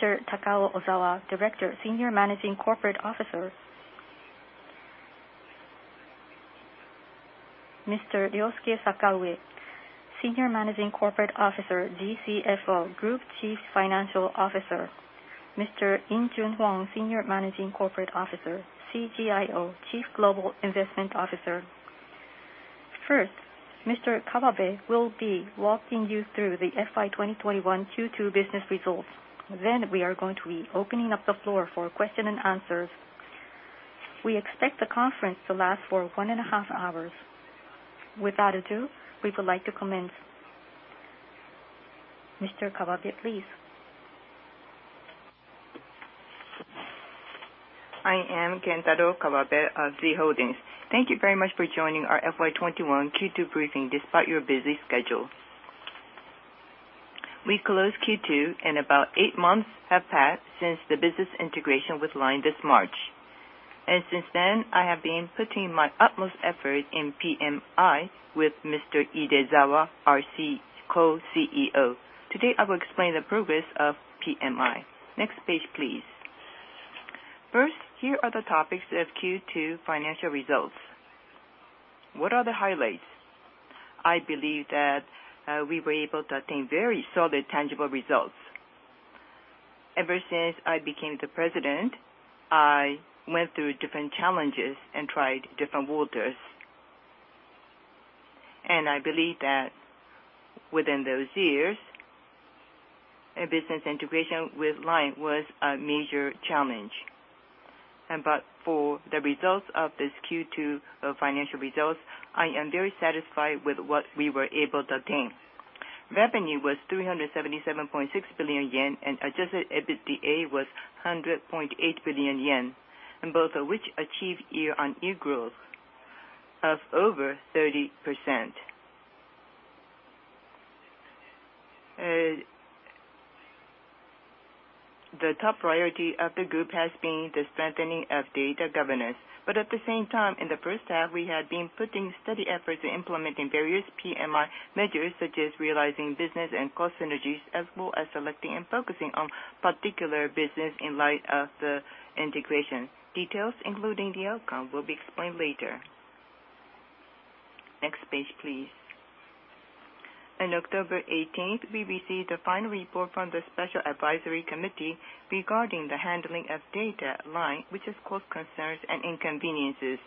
Mr. Takao Ozawa, Director, Senior Managing Corporate Officer. Mr. Ryosuke Sakaue, Senior Managing Corporate Officer, GCFO, Group Chief Financial Officer. Mr. In Joon Hong, Senior Managing Corporate Officer, CGIO, Chief Global Investment Officer. First, Mr. Kawabe will be walking you through the FY 2021 Q2 business results. We are going to be opening up the floor for question and answers. We expect the conference to last for 1.5 hours. Without further ado, we would like to commence. Mr. Kawabe, please. I am Kentaro Kawabe of Z Holdings. Thank you very much for joining our FY 2021 Q2 briefing despite your busy schedule. We closed Q2 and about eight months have passed since the business integration with LINE this March. Since then, I have been putting my utmost effort in PMI with Mr. Idezawa, our co-CEO. Today, I will explain the progress of PMI. Next page, please. First, here are the topics of Q2 financial results. What are the highlights? I believe that we were able to attain very solid, tangible results. Ever since I became the president, I went through different challenges and tried different waters. I believe that within those years, a business integration with LINE was a major challenge. But for the results of this Q2 financial results, I am very satisfied with what we were able to obtain. Revenue was 377.6 billion yen, and adjusted EBITDA was 100.8 billion yen, and both of which achieved year-on-year growth of over 30%. The top priority of the group has been the strengthening of data governance. At the same time, in the H1, we had been putting steady efforts in implementing various PMI measures, such as realizing business and cost synergies, as well as selecting and focusing on particular business in light of the integration. Details, including the outcome, will be explained later. Next page, please. On October 18, we received a final report from the special advisory committee regarding the handling of data at LINE, which has caused concerns and inconveniences.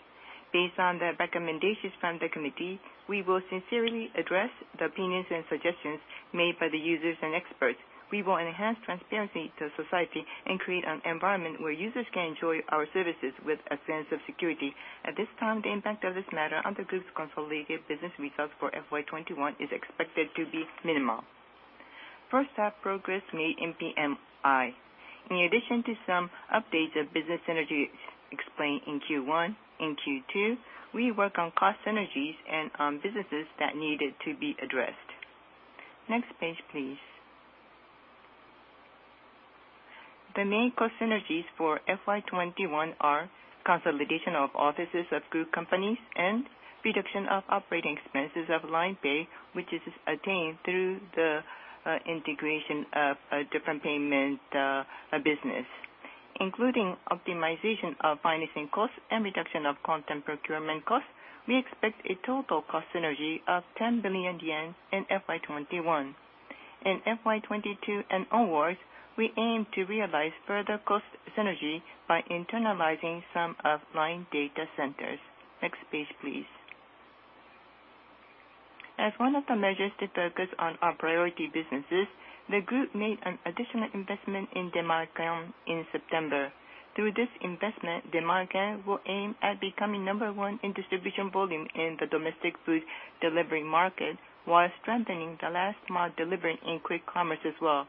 Based on the recommendations from the committee, we will sincerely address the opinions and suggestions made by the users and experts. We will enhance transparency to society and create an environment where users can enjoy our services with a sense of security. At this time, the impact of this matter on the group's consolidated business results for FY 2021 is expected to be minimal. H1 progress made in PMI. In addition to some updates of business synergies explained in Q1, in Q2, we work on cost synergies and on businesses that needed to be addressed. Next page, please. The main cost synergies for FY 2021 are consolidation of offices of group companies and reduction of operating expenses of LINE Pay, which is attained through the integration of a different payment business. Including optimization of financing costs and reduction of content procurement costs, we expect a total cost synergy of 10 billion yen in FY 2021. In FY 2022 and onwards, we aim to realize further cost synergy by internalizing some of LINE data centers. Next page, please. As one of the measures to focus on our priority businesses, the group made an additional investment in Demae-can in September. Through this investment, Demae-can will aim at becoming number one in distribution volume in the domestic food delivery market, while strengthening the last mile delivery in quick commerce as well.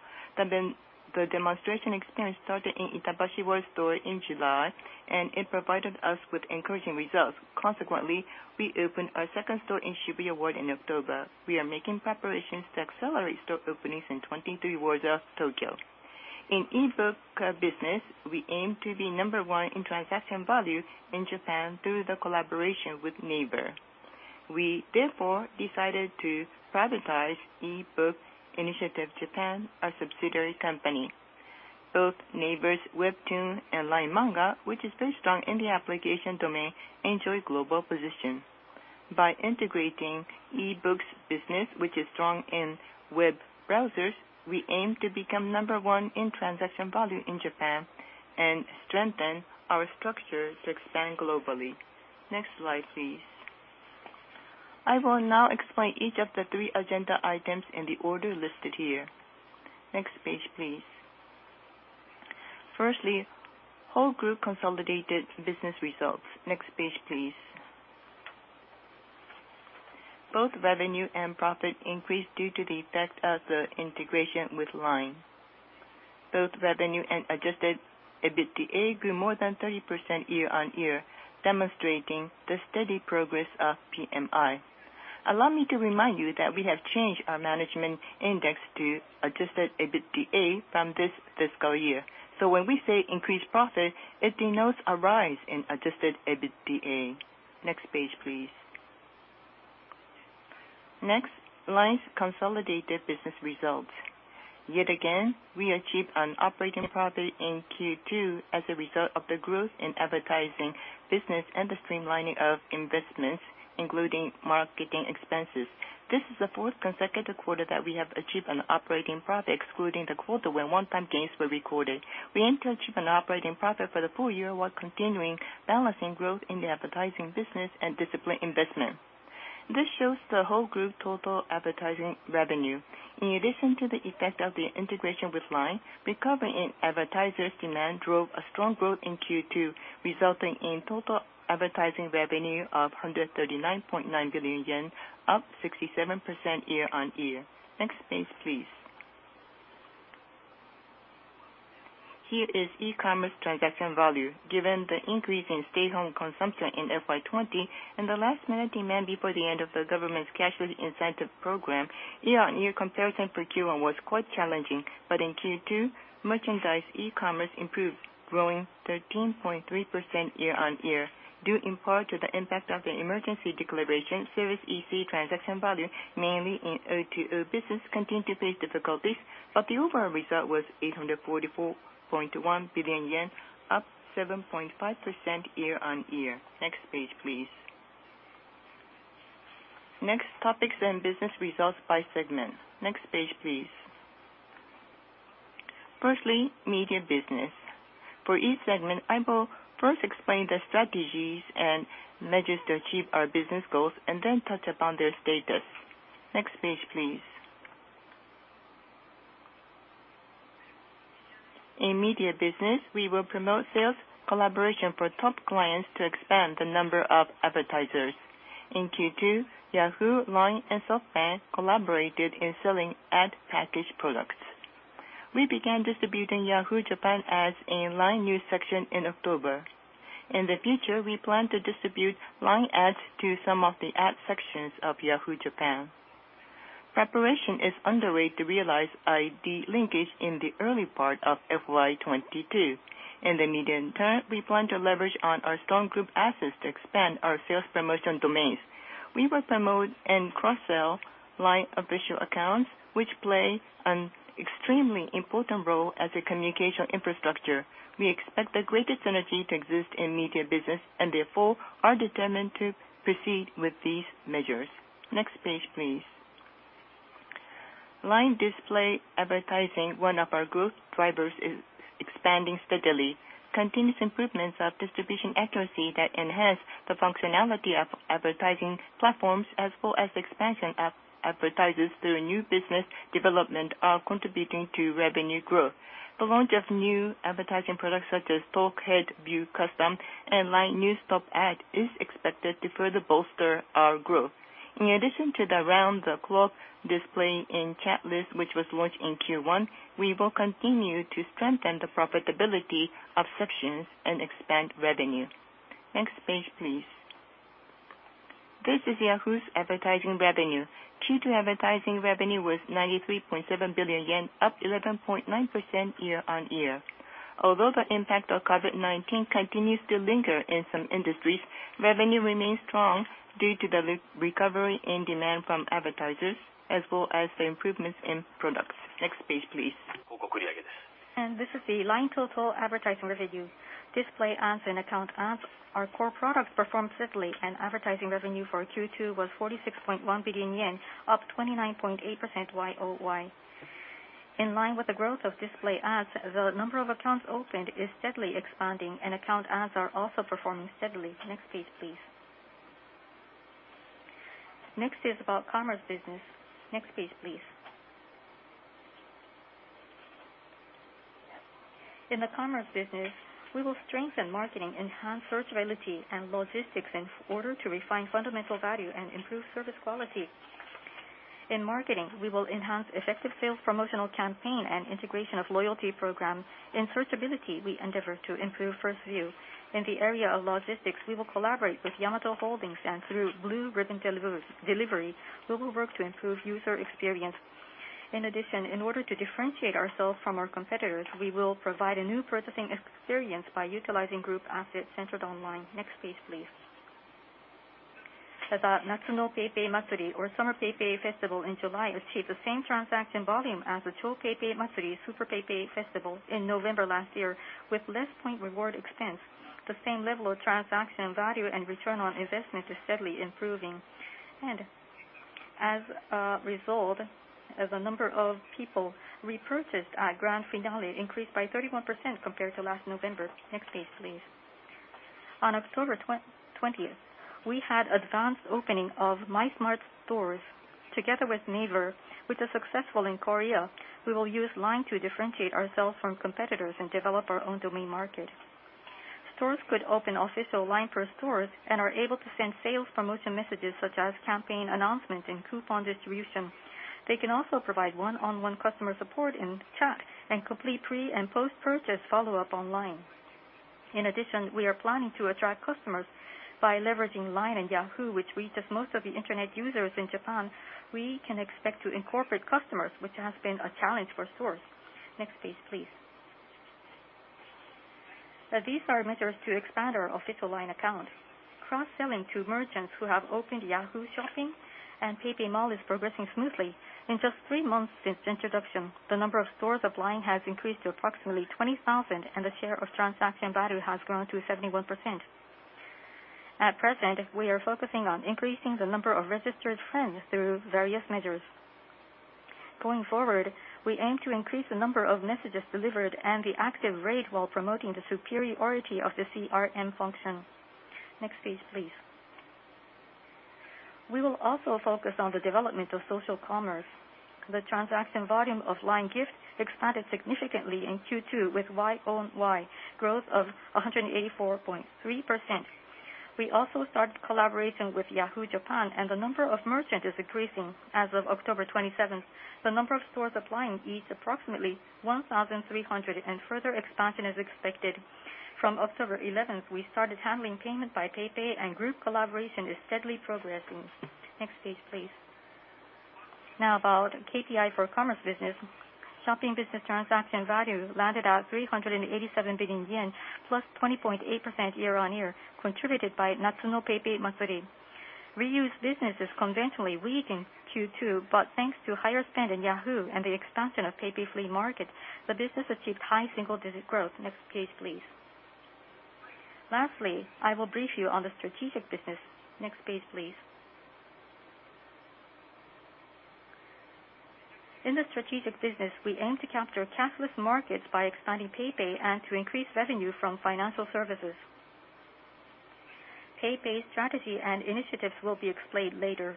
The demonstration experience started in Itabashi Ward store in July, and it provided us with encouraging results. Consequently, we opened our second store in Shibuya Ward in October. We are making preparations to accelerate store openings in 23 wards of Tokyo. In eBook business, we aim to be number one in transaction value in Japan through the collaboration with NAVER. We therefore decided to privatize eBook Initiative Japan, a subsidiary company. Both NAVER's Webtoon and LINE Manga, which is very strong in the application domain, enjoy global position. By integrating eBooks business, which is strong in web browsers, we aim to become number one in transaction value in Japan and strengthen our structure to expand globally. Next slide, please. I will now explain each of the three agenda items in the order listed here. Next page, please. Firstly, whole group consolidated business results. Next page, please. Both revenue and profit increased due to the effect of the integration with LINE. Both revenue and adjusted EBITDA grew more than 30% year-over-year, demonstrating the steady progress of PMI. Allow me to remind you that we have changed our management index to adjusted EBITDA from this fiscal year. When we say increased profit, it denotes a rise in adjusted EBITDA. Next page, please. Next, LINE's consolidated business results. Yet again, we achieved an operating profit in Q2 as a result of the growth in advertising business and the streamlining of investments, including marketing expenses. This is the fourth consecutive quarter that we have achieved an operating profit, excluding the quarter when one-time gains were recorded. We aim to achieve an operating profit for the full year while continuing balancing growth in the advertising business and disciplined investment. This shows the whole group total advertising revenue. In addition to the effect of the integration with LINE, recovery in advertisers' demand drove a strong growth in Q2, resulting in total advertising revenue of 139.9 billion yen, up 67% year-on-year. Next page, please. Here is e-commerce transaction value. Given the increase in stay-home consumption in FY 2020 and the last-minute demand before the end of the government's cashless incentive program, year-on-year comparison for Q1 was quite challenging. In Q2, merchandise e-commerce improved, growing 13.3% year-on-year, due in part to the impact of the emergency declaration. Service EC transaction value, mainly in O2O business, continued to face difficulties. The overall result was 844.1 billion yen, up 7.5% year-on-year. Next page, please. Next, topics and business results by segment. Next page, please. Firstly, media business. For each segment, I will first explain the strategies and measures to achieve our business goals and then touch upon their status. Next page, please. In media business, we will promote sales collaboration for top clients to expand the number of advertisers. In Q2, Yahoo! JAPAN, LINE, and SoftBank collaborated in selling ad package products. We began distributing Yahoo! JAPAN ads in LINE NEWS section in October. In the future, we plan to distribute LINE ads to some of the ad sections of Yahoo! JAPAN. Preparation is underway to realize ID linkage in the early part of FY 2022. In the medium term, we plan to leverage on our strong group assets to expand our sales promotion domains. We will promote and cross-sell LINE Official Account, which play an extremely important role as a communication infrastructure. We expect the greatest synergy to exist in media business and therefore are determined to proceed with these measures. Next page, please. LINE display advertising, one of our growth drivers, is expanding steadily. Continuous improvements of distribution accuracy that enhance the functionality of advertising platforms, as well as expansion of advertisers through new business development, are contributing to revenue growth. The launch of new advertising products such as Talk Head View Custom and LINE NEWS Top Ad is expected to further bolster our growth. In addition to the around-the-clock display in chat list, which was launched in Q1, we will continue to strengthen the profitability of sections and expand revenue. Next page, please. This is Yahoo's advertising revenue. Q2 advertising revenue was 93.7 billion yen, up 11.9% year-on-year. Although the impact of COVID-19 continues to linger in some industries, revenue remains strong due to the recovery in demand from advertisers, as well as the improvements in products. Next page, please. This is the LINE total advertising revenue. Display ads and account ads, our core products, performed steadily, and advertising revenue for Q2 was 46.1 billion yen, up 29.8% YOY. In line with the growth of display ads, the number of accounts opened is steadily expanding, and account ads are also performing steadily. Next page, please. Next is about commerce business. Next page, please. In the commerce business, we will strengthen marketing, enhance searchability, and logistics in order to refine fundamental value and improve service quality. In marketing, we will enhance effective sales promotional campaign and integration of loyalty program. In searchability, we endeavor to improve first view. In the area of logistics, we will collaborate with Yamato Holdings, and through Blue Ribbon delivery, we will work to improve user experience. In addition, in order to differentiate ourselves from our competitors, we will provide a new purchasing experience by utilizing group assets centered online. Next page, please. The Natsu no PayPay Matsuri, or Summer PayPay Festival in July, achieved the same transaction volume as the Chou PayPay Matsuri, Super PayPay Festival, in November last year with less point reward expense. The same level of transaction value and return on investment is steadily improving. As a result, the number of people repurchased at Grand Finale increased by 31% compared to last November. Next page, please. On October 20, we had advanced opening of My Smart Store together with NAVER, which was successful in Korea. We will use LINE to differentiate ourselves from competitors and develop our own domain market. Stores could open official LINE for stores and are able to send sales promotion messages such as campaign announcement and coupon distribution. They can also provide one-on-one customer support in chat and complete pre- and post-purchase follow-up online. In addition, we are planning to attract customers by leveraging LINE and Yahoo, which reaches most of the internet users in Japan. We can expect to incorporate customers, which has been a challenge for stores. Next page, please. These are measures to expand our official LINE account. Cross-selling to merchants who have opened Yahoo Shopping and PayPay Mall is progressing smoothly. In just three months since introduction, the number of stores applying has increased to approximately 20,000, and the share of transaction value has grown to 71%. At present, we are focusing on increasing the number of registered friends through various measures. Going forward, we aim to increase the number of messages delivered and the active rate while promoting the superiority of the CRM function. Next page, please. We will also focus on the development of social commerce. The transaction volume of LINE Gift expanded significantly in Q2 with YOY growth of 184.3%. We also started collaboration with Yahoo! JAPAN, and the number of merchants is increasing. As of October 27, the number of stores applying is approximately 1,300, and further expansion is expected. From October 11, we started handling payment by PayPay, and group collaboration is steadily progressing. Next page, please. Now about KPI for commerce business. Shopping business transaction value landed at 387 billion yen, +20.8% year-on-year, contributed by Natsu no PayPay Matsuri. Reuse business is conventionally weak in Q2, but thanks to higher spend in Yahoo and the expansion of PayPay Flea Market, the business achieved high single-digit growth. Next page, please. Lastly, I will brief you on the strategic business. Next page, please. In the strategic business, we aim to capture cashless markets by expanding PayPay and to increase revenue from financial services. PayPay's strategy and initiatives will be explained later.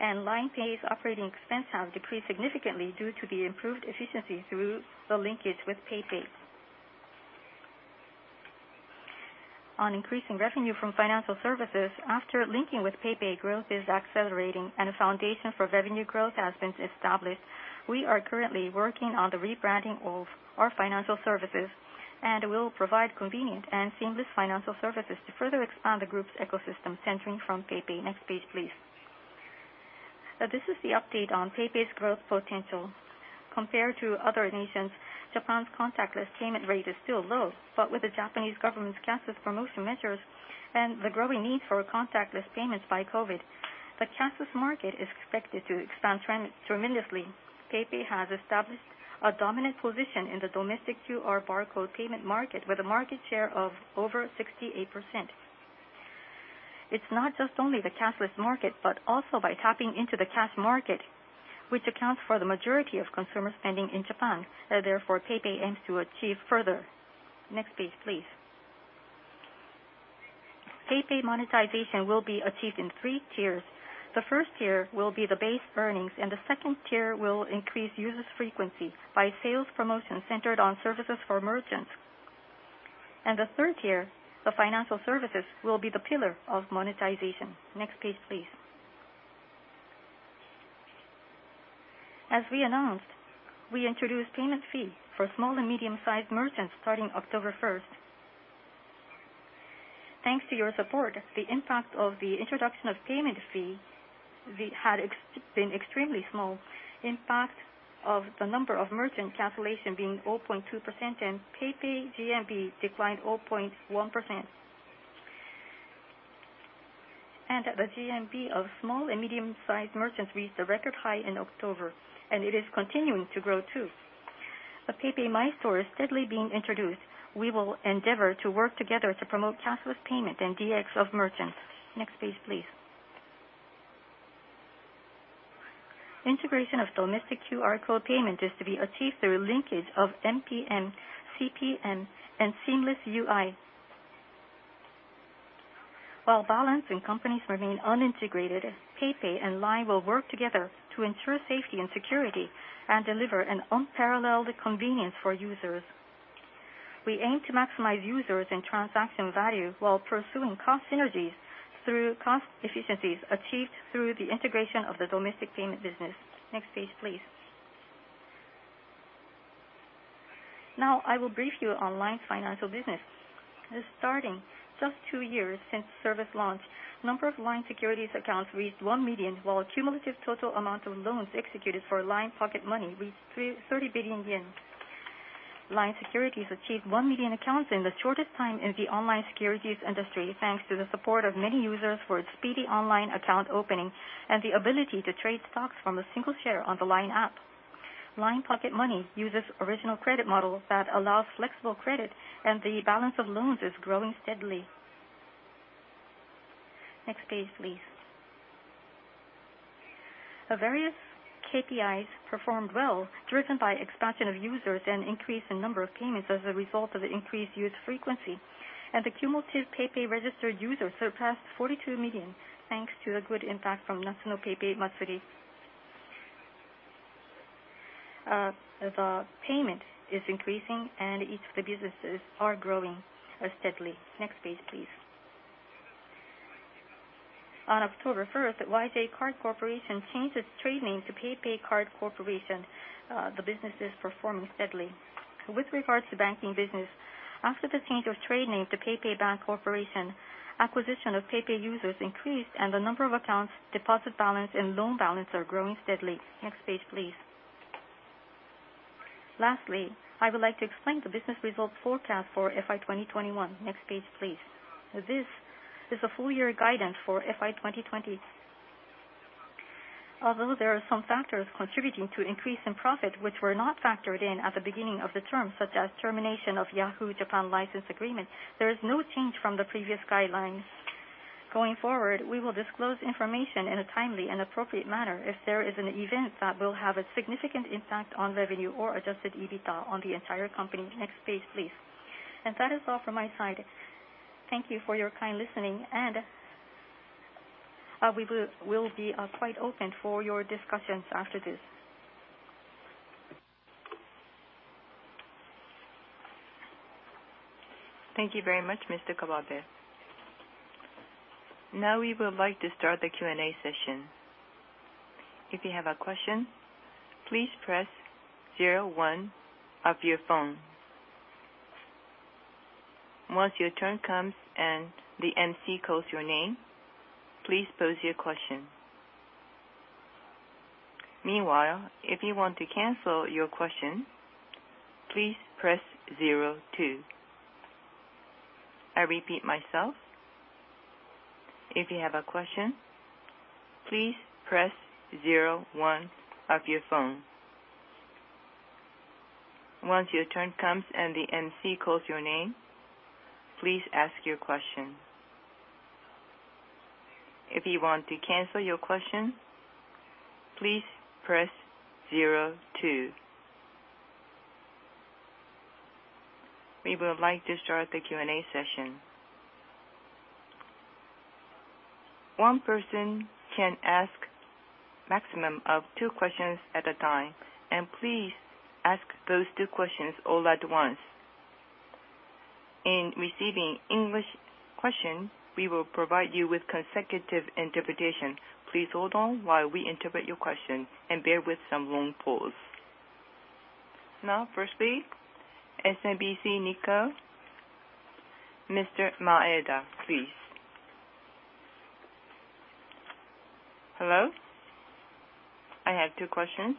LINE Pay's operating expense has decreased significantly due to the improved efficiency through the linkage with PayPay. On increasing revenue from financial services, after linking with PayPay, growth is accelerating, and a foundation for revenue growth has been established. We are currently working on the rebranding of our financial services, and we'll provide convenient and seamless financial services to further expand the group's ecosystem centering from PayPay. Next page, please. Now, this is the update on PayPay's growth potential. Compared to other nations, Japan's contactless payment rate is still low, but with the Japanese government's cashless promotion measures and the growing need for contactless payments by COVID, the cashless market is expected to expand tremendously. PayPay has established a dominant position in the domestic QR barcode payment market with a market share of over 68%. It's not just only the cashless market, but also by tapping into the cash market, which accounts for the majority of consumer spending in Japan, therefore, PayPay aims to achieve further. Next page, please. PayPay monetization will be achieved in three tiers. The first tier will be the base earnings, and the second tier will increase users' frequency by sales promotion centered on services for merchants. The third tier, the financial services, will be the pillar of monetization. Next page, please. As we announced, we introduced payment fee for small and medium-sized merchants starting October 1. Thanks to your support, the impact of the introduction of payment fee had been extremely small, impact of the number of merchant cancellation being 0.2% and PayPay GMV declined 0.1%. The GMV of small and medium-sized merchants reached a record high in October, and it is continuing to grow too. The PayPay My Store is steadily being introduced. We will endeavor to work together to promote cashless payment and DX of merchants. Next page, please. Integration of domestic QR code payment is to be achieved through linkage of MPN, CPN, and seamless UI. While PayPay and LINE remain unintegrated, PayPay and LINE will work together to ensure safety and security and deliver an unparalleled convenience for users. We aim to maximize users and transaction value while pursuing cost synergies through cost efficiencies achieved through the integration of the domestic payment business. Next page, please. Now, I will brief you on LINE's financial business. Starting just two years since service launch, number of LINE Securities accounts reached 1 million, while cumulative total amount of loans executed for LINE Pocket Money reached 30 billion yen. LINE Securities achieved 1 million accounts in the shortest time in the online securities industry, thanks to the support of many users for its speedy online account opening and the ability to trade stocks from a single share on the LINE app. LINE Pocket Money uses original credit model that allows flexible credit, and the balance of loans is growing steadily. Next page, please. Now, various KPIs performed well, driven by expansion of users and increase in number of payments as a result of the increased use frequency. The cumulative PayPay registered users surpassed 42 million, thanks to the good impact from Natsu no PayPay Matsuri. The payment is increasing, and each of the businesses are growing steadily. Next page, please. On October first, YJ Card Corporation changed its trade name to PayPay Card Corporation. The business is performing steadily. With regards to banking business, after the change of trade name to PayPay Bank Corporation, acquisition of PayPay users increased, and the number of accounts, deposit balance, and loan balance are growing steadily. Next page, please. Lastly, I would like to explain the business result forecast for FY 2021. Next page, please. This is a full year guidance for FY 2020. Although there are some factors contributing to an increase in profit which were not factored in at the beginning of the term, such as termination of Yahoo Master License, there is no change from the previous guidelines. Going forward, we will disclose information in a timely and appropriate manner if there is an event that will have a significant impact on revenue or adjusted EBITDA on the entire company. Next page, please. That is all from my side. Thank you for your kind listening, and we will be quite open for your discussions after this. Thank you very much, Mr. Kawabe. Now, we would like to start the Q&A session. If you have a question, please press zero one on your phone. Once your turn comes and the MC calls your name, please pose your question. Meanwhile, if you want to cancel your question, please press zero two. I repeat myself. If you have a question, please press zero one on your phone. Once your turn comes and the MC calls your name, please ask your question. If you want to cancel your question, please press zero two. We would like to start the Q&A session. One person can ask a maximum of two questions at a time, and please ask those two questions all at once. In receiving an English question, we will provide you with consecutive interpretation. Please hold on while we interpret your question and bear with some long pause. SMBC Nikko, Mr. Maeda, please. Hello. I have two questions.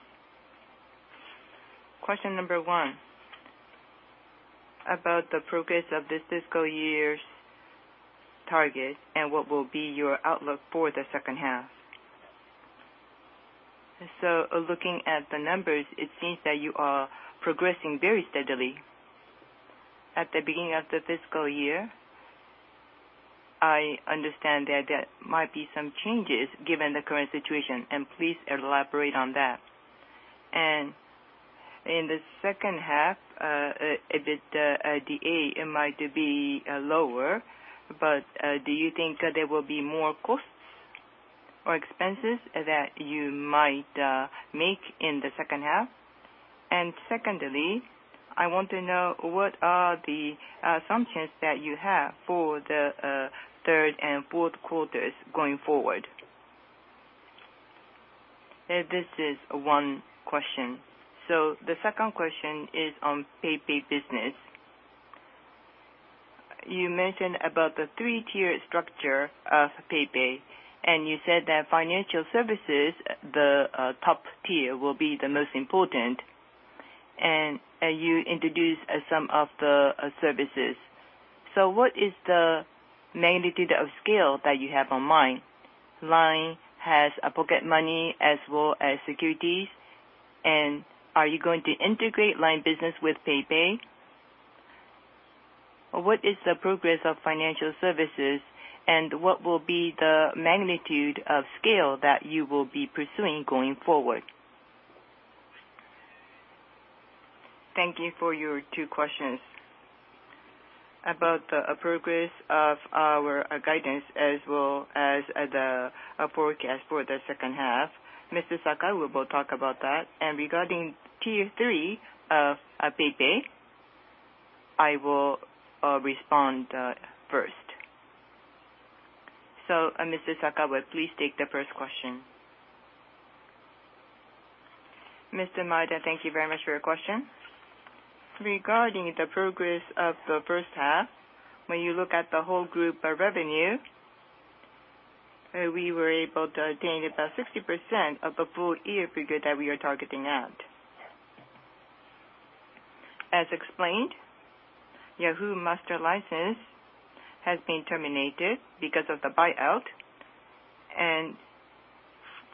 Question number one, about the progress of this fiscal year's target and what will be your outlook for the H2. Looking at the numbers, it seems that you are progressing very steadily. At the beginning of the fiscal year, I understand that there might be some changes given the current situation, and please elaborate on that. In the H2, EBITDA it might be lower, but do you think there will be more costs or expenses that you might make in the H2? Secondly, I want to know what are the assumptions that you have for the third and Q4s going forward? This is one question. The second question is on PayPay business. You mentioned about the three-tier structure of PayPay, and you said that financial services, the top tier, will be the most important, and you introduced some of the services. What is the magnitude of scale that you have in mind? LINE has a Pocket Money as well as securities, and are you going to integrate LINE business with PayPay? What is the progress of financial services and what will be the magnitude of scale that you will be pursuing going forward? Thank you for your two questions. About the progress of our guidance as well as the forecast for the H2, Mr. Sakaue will talk about that. Regarding tier three of PayPay, I will respond first. Mr. Sakaue, please take the first question. Mr. Maeda, thank you very much for your question. Regarding the progress of the H1, when you look at the whole group revenue, we were able to attain about 60% of the full year figure that we are targeting at. As explained, Yahoo Master License has been terminated because of the buyout.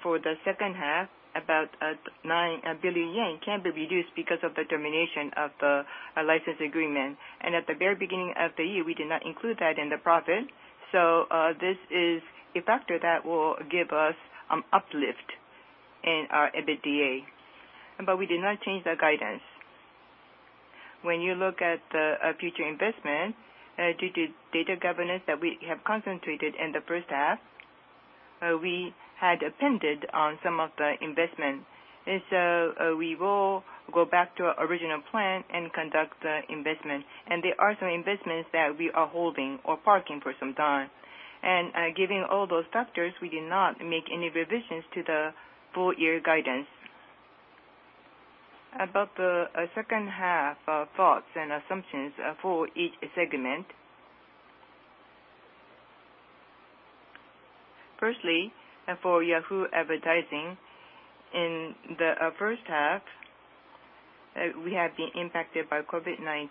For the H2, about nine billion yen can be reduced because of the termination of the license agreement. At the very beginning of the year, we did not include that in the profit. This is a factor that will give us uplift in our EBITDA. We did not change the guidance. When you look at the future investment, due to data governance that we have concentrated in the H1, we had expended on some of the investment. We will go back to our original plan and conduct the investment. There are some investments that we are holding or parking for some time. Giving all those factors, we did not make any revisions to the full year guidance. About the H2 thoughts and assumptions for each segment. First, for Yahoo advertising, in the H1, we have been impacted by COVID-19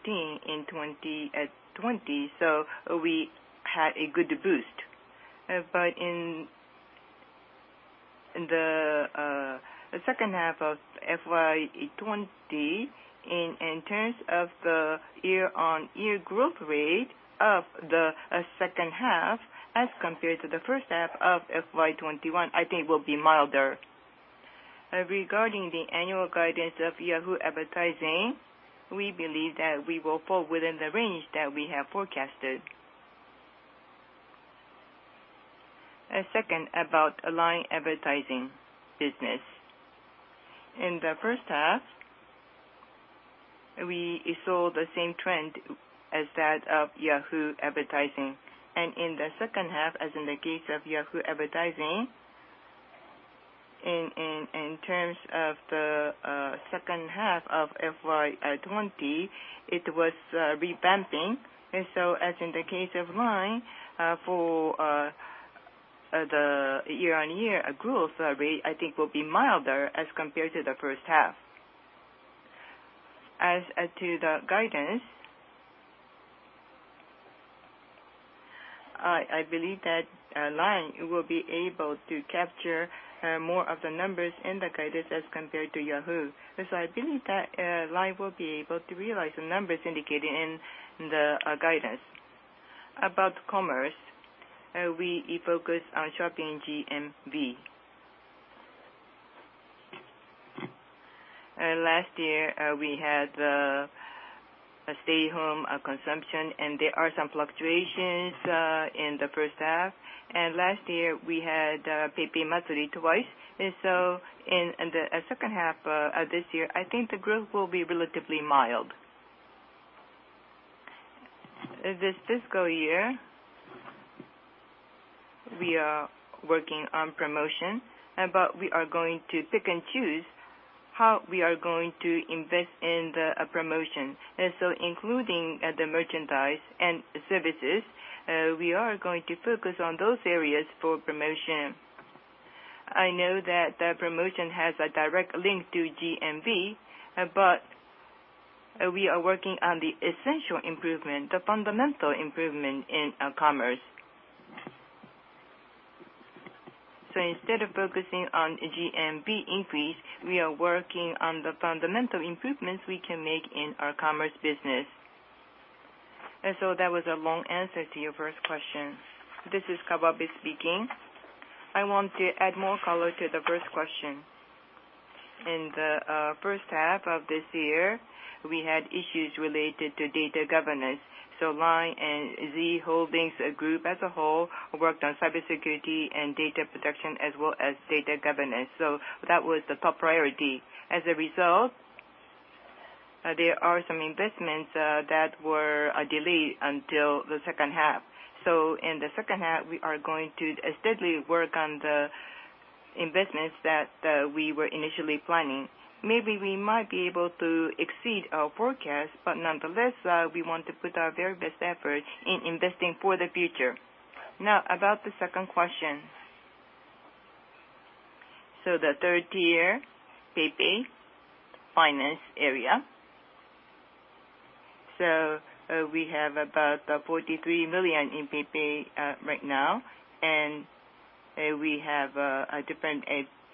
in 2020, so we had a good boost. But in the H2 of FY 2020, in terms of the year-on-year growth rate of the H2 as compared to the H1 of FY 2021, I think will be milder. Regarding the annual guidance of Yahoo advertising, we believe that we will fall within the range that we have forecasted. Second, about LINE advertising business. In the H1, we saw the same trend as that of Yahoo advertising. In the H2, as in the case of Yahoo advertising, in terms of the H2 of FY 2020, it was revamping. As in the case of LINE, for the year-on-year growth rate, I think will be milder as compared to the H1. As to the guidance, I believe that LINE will be able to capture more of the numbers in the guidance as compared to Yahoo. I believe that LINE will be able to realize the numbers indicated in the guidance. About commerce, we focus on shopping GMV. Last year, we had a stay home consumption, and there are some fluctuations in the H1. Last year, we had PayPay festival twice. In the H2 of this year, I think the growth will be relatively mild. This fiscal year, we are working on promotion, but we are going to pick and choose how we are going to invest in the promotion. Including the merchandise and services, we are going to focus on those areas for promotion. I know that the promotion has a direct link to GMV, but we are working on the essential improvement, the fundamental improvement in commerce. Instead of focusing on GMV increase, we are working on the fundamental improvements we can make in our commerce business. That was a long answer to your first question. This is Kawabe speaking. I want to add more color to the first question. In the H1 of this year, we had issues related to data governance. LINE and Z Holdings group as a whole worked on cybersecurity and data protection as well as data governance. That was the top priority. As a result, there are some investments that were delayed until the H2. In the H2, we are going to steadily work on the investments that we were initially planning. Maybe we might be able to exceed our forecast, but nonetheless, we want to put our very best effort in investing for the future. Now, about the second question. The third tier, PayPay finance area. We have about 43 million in PayPay right now, and we have different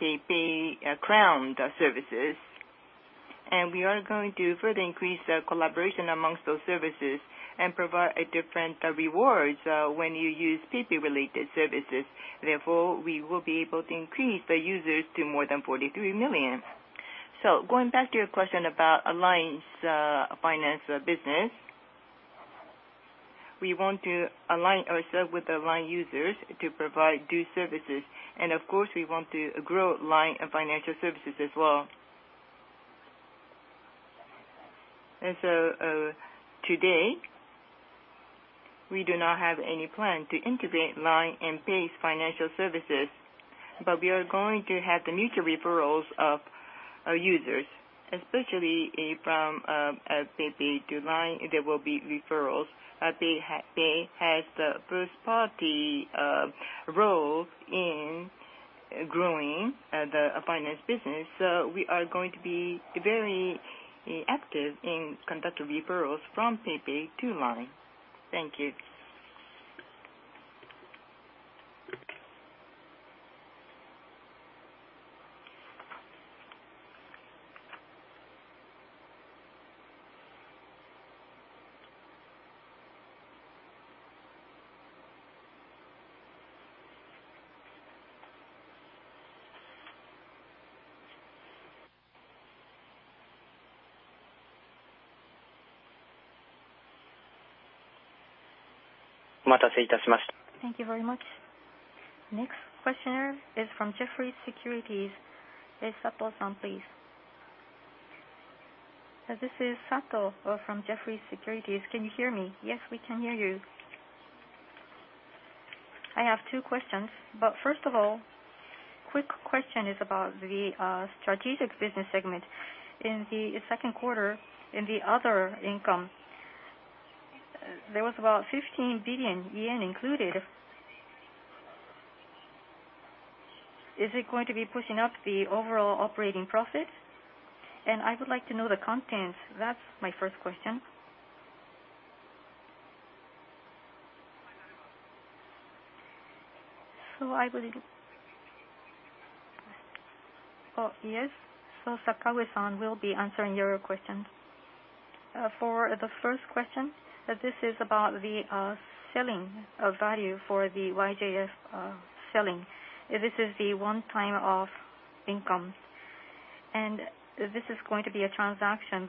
PayPay Card services. We are going to further increase the collaboration among those services and provide different rewards when you use PayPay related services. Therefore, we will be able to increase the users to more than 43 million. Going back to your question about LINE's finance business, we want to align ourselves with the LINE users to provide due services. Of course, we want to grow LINE financial services as well. Today, we do not have any plan to integrate LINE and PayPay's financial services, but we are going to have the mutual referrals of our users, especially from PayPay to LINE, there will be referrals. PayPay has the first party role in growing the finance business. We are going to be very active in conducting referrals from PayPay to LINE. Thank you. Thank you very much. Next questioner is from Jefferies Securities. Sato-san, please. This is Sato from Jefferies Securities. Can you hear me? Yes, we can hear you. I have two questions, but first of all, quick question is about the strategic business segment. In the Q2, in the other income. There was about 15 billion yen included. Is it going to be pushing up the overall operating profit? I would like to know the contents. That's my first question. Sakaue-san will be answering your question. For the first question, this is about the sale of the value from the YJ sale. This is the one-time income. This is going to be a cash transaction,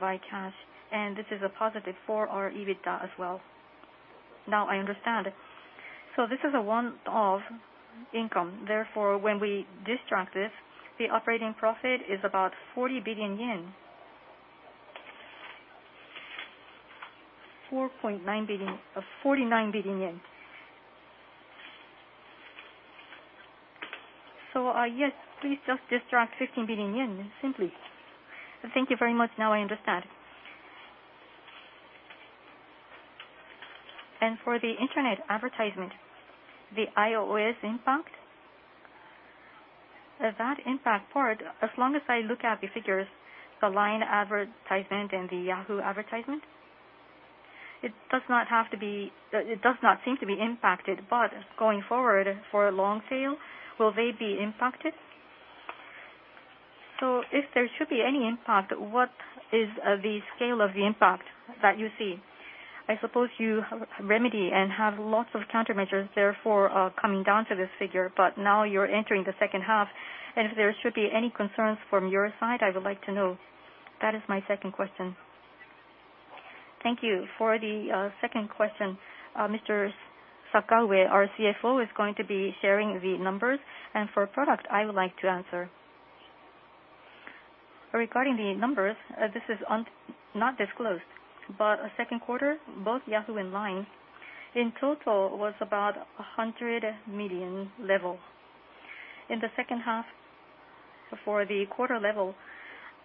and this is a positive for our EBITDA as well. Now I understand. This is a one-off income. Therefore, when we subtract this, the operating profit is about 49 billion yen. Yes, please just subtract 15 billion yen simply. Thank you very much. Now I understand. For the internet advertisement, the iOS impact, that impact part, as long as I look at the figures, the LINE advertisement and the Yahoo advertisement, it does not seem to be impacted. But going forward for long tail, will they be impacted? If there should be any impact, what is the scale of the impact that you see? I suppose you remedy and have lots of countermeasures, therefore, coming down to this figure, but now you're entering the H2, and if there should be any concerns from your side, I would like to know. That is my second question. Thank you. For the second question, Mr. Sakaue, our CFO, is going to be sharing the numbers. For product, I would like to answer. Regarding the numbers, this is not disclosed. Q2, both Yahoo and LINE, in total was about 100 million level. In the H2, for the quarter level,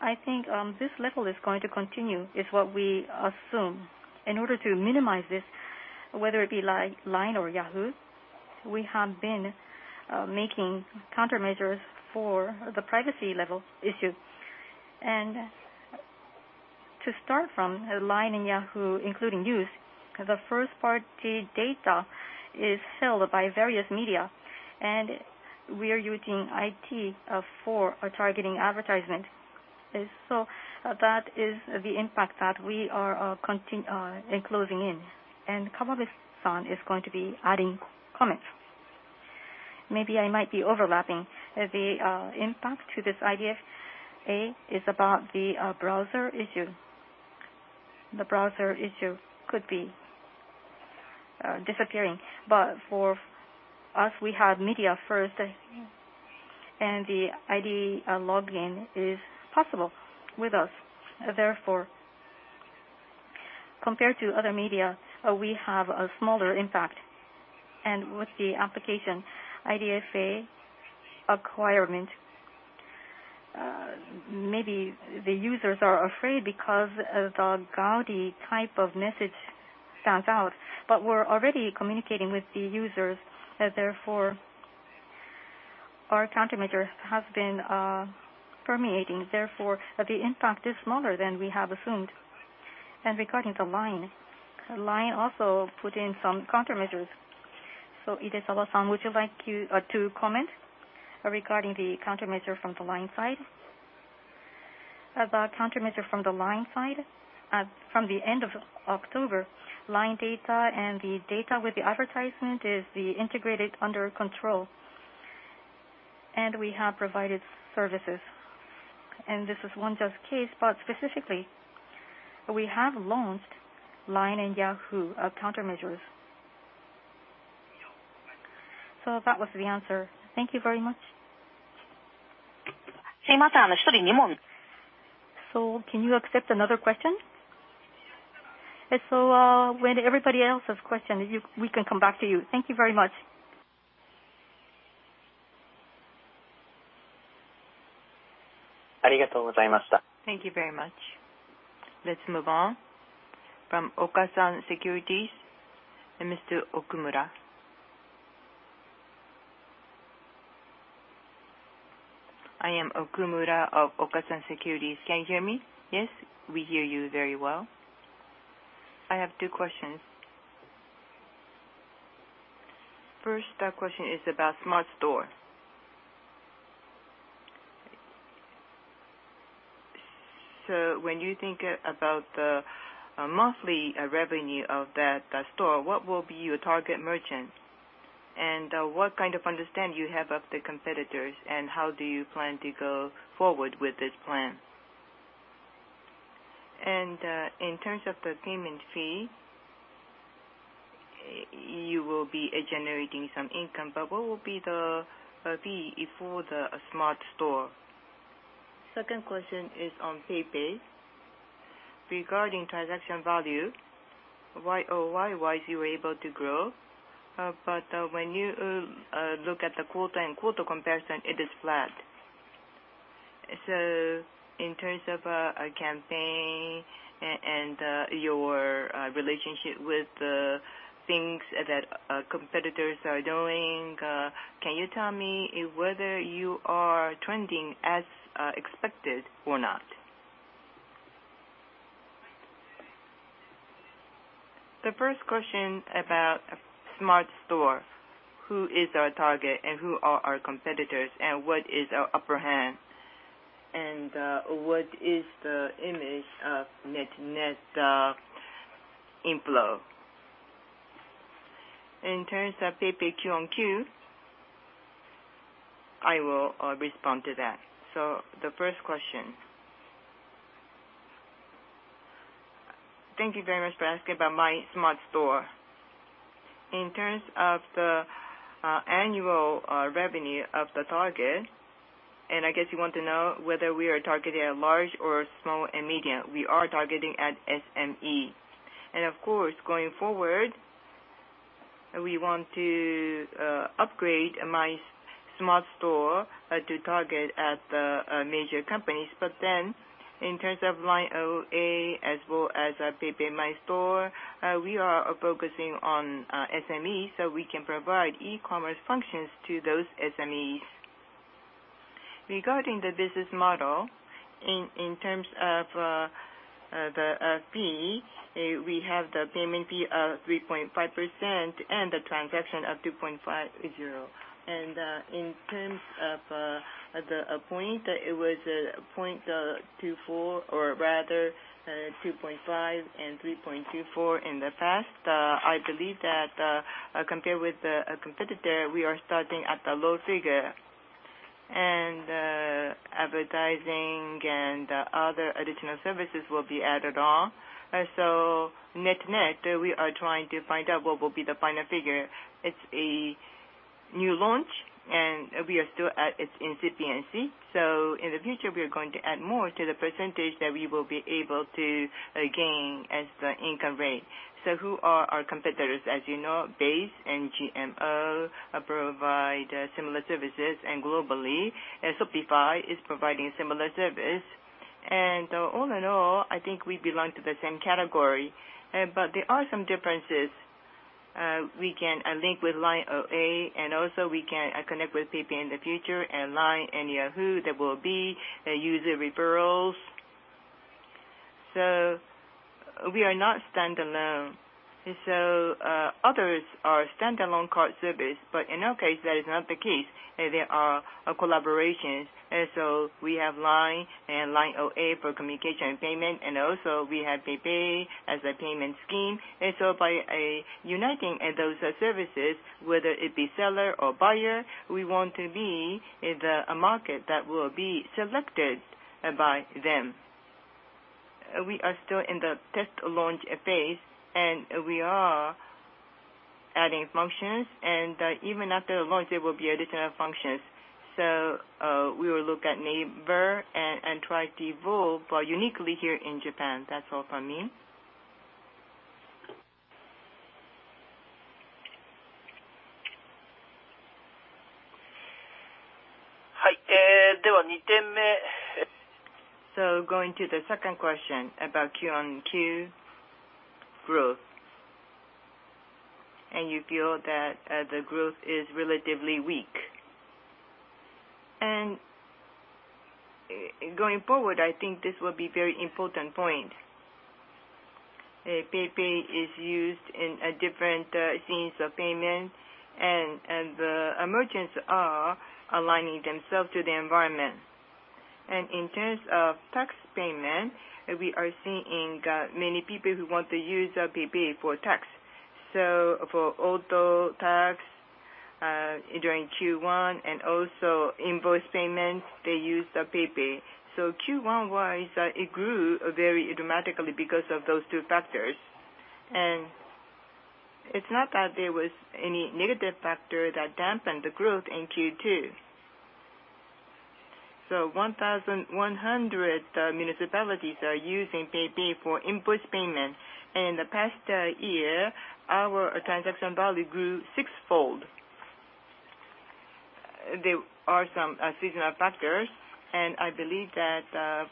I think this level is going to continue, is what we assume. In order to minimize this, whether it be LINE or Yahoo, we have been making countermeasures for the privacy level issue. To start from LINE and Yahoo, including news, the first party data is filled by various media, and we are using ID for targeting advertisement. That is the impact that we are enclosing in. Kawabe-san is going to be adding comments. Maybe I might be overlapping. The impact to this IDFA is about the browser issue. The browser issue could be disappearing. For us, we have media first, and the ID login is possible with us. Therefore, compared to other media, we have a smaller impact. With the application IDFA acquirement, maybe the users are afraid because of the gaudy type of message stands out. We're already communicating with the users, therefore our countermeasure has been permeating. Therefore, the impact is smaller than we have assumed. Regarding LINE also put in some countermeasures. Idezawa, would you like to comment regarding the countermeasure from the LINE side? Regarding the countermeasure from the LINE side, from the end of October, LINE data and the data with the advertisement is integrated under control. We have provided services. This is one just case, but specifically, we have launched LINE and Yahoo countermeasures. That was the answer. Thank you very much. Can you accept another question? When everybody else has questioned you, we can come back to you. Thank you very much. Thank you very much. Let's move on. From Okasan Securities, Mr. Okumura. I am Okumura of Okasan Securities. Can you hear me? Yes, we hear you very well. I have two questions. First, the question is about Smart Store. When you think about the monthly revenue of that store, what will be your target merchants? What kind of understanding you have of the competitors, and how do you plan to go forward with this plan? In terms of the payment fee, you will be generating some income, but what will be the fee for the Smart Store? Second question is on PayPay. Regarding transaction value, YoY, why is you able to grow? When you look at the quarter-over-quarter comparison, it is flat. In terms of a campaign and your relationship with the things that competitors are doing, can you tell me whether you are trending as expected or not? The first question about Smart Store, who is our target and who are our competitors and what is our upper hand and what is the image of net-net inflow. In terms of PayPay Q on Q, I will respond to that. The first question. Thank you very much for asking about My Smart Store. In terms of the annual revenue of the target, and I guess you want to know whether we are targeting at large or small and medium. We are targeting at SME. Of course, going forward, we want to upgrade My Smart Store to target at the major companies. In terms of LINE OA, as well as PayPay My Store, we are focusing on SMEs, so we can provide e-commerce functions to those SMEs. Regarding the business model, in terms of the fee, we have the payment fee of 3.5% and the transaction of 2.50. In terms of the point, it was 2.4 or rather 2.5 and 3.24 in the past. I believe that compared with the competitor, we are starting at a low figure. Advertising and other additional services will be added on. Net-net, we are trying to find out what will be the final figure. It's a new launch, and we are still at its incipiency. In the future, we are going to add more to the percentage that we will be able to gain as the income rate. Who are our competitors? As you know, BASE and GMO provide similar services and globally, Shopify is providing a similar service. All in all, I think we belong to the same category. There are some differences. We can link with LINE OA, and also we can connect with PayPay in the future, and LINE and Yahoo! there will be user referrals. We are not standalone. Others are standalone cart service, but in our case, that is not the case. There are collaborations. We have LINE and LINE OA for communication and payment, and also, we have PayPay as a payment scheme. By uniting those services, whether it be seller or buyer, we want to be a market that will be selected by them. We are still in the test launch phase, and we are adding functions, and even after launch, there will be additional functions. We will look at NAVER and try to evolve uniquely here in Japan. That's all from me. Going to the second question about Q-on-Q growth, and you feel that the growth is relatively weak. Going forward, I think this will be very important point. PayPay is used in different scenes of payment, and the merchants are aligning themselves to the environment. In terms of tax payment, we are seeing many people who want to use PayPay for tax. For auto tax during Q1 and also invoice payments, they use PayPay. Q1-wise, it grew very dramatically because of those two factors. It's not that there was any negative factor that dampened the growth in Q2. 1,100 municipalities are using PayPay for invoice payment. In the past year, our transaction value grew sixfold. There are some seasonal factors, and I believe that,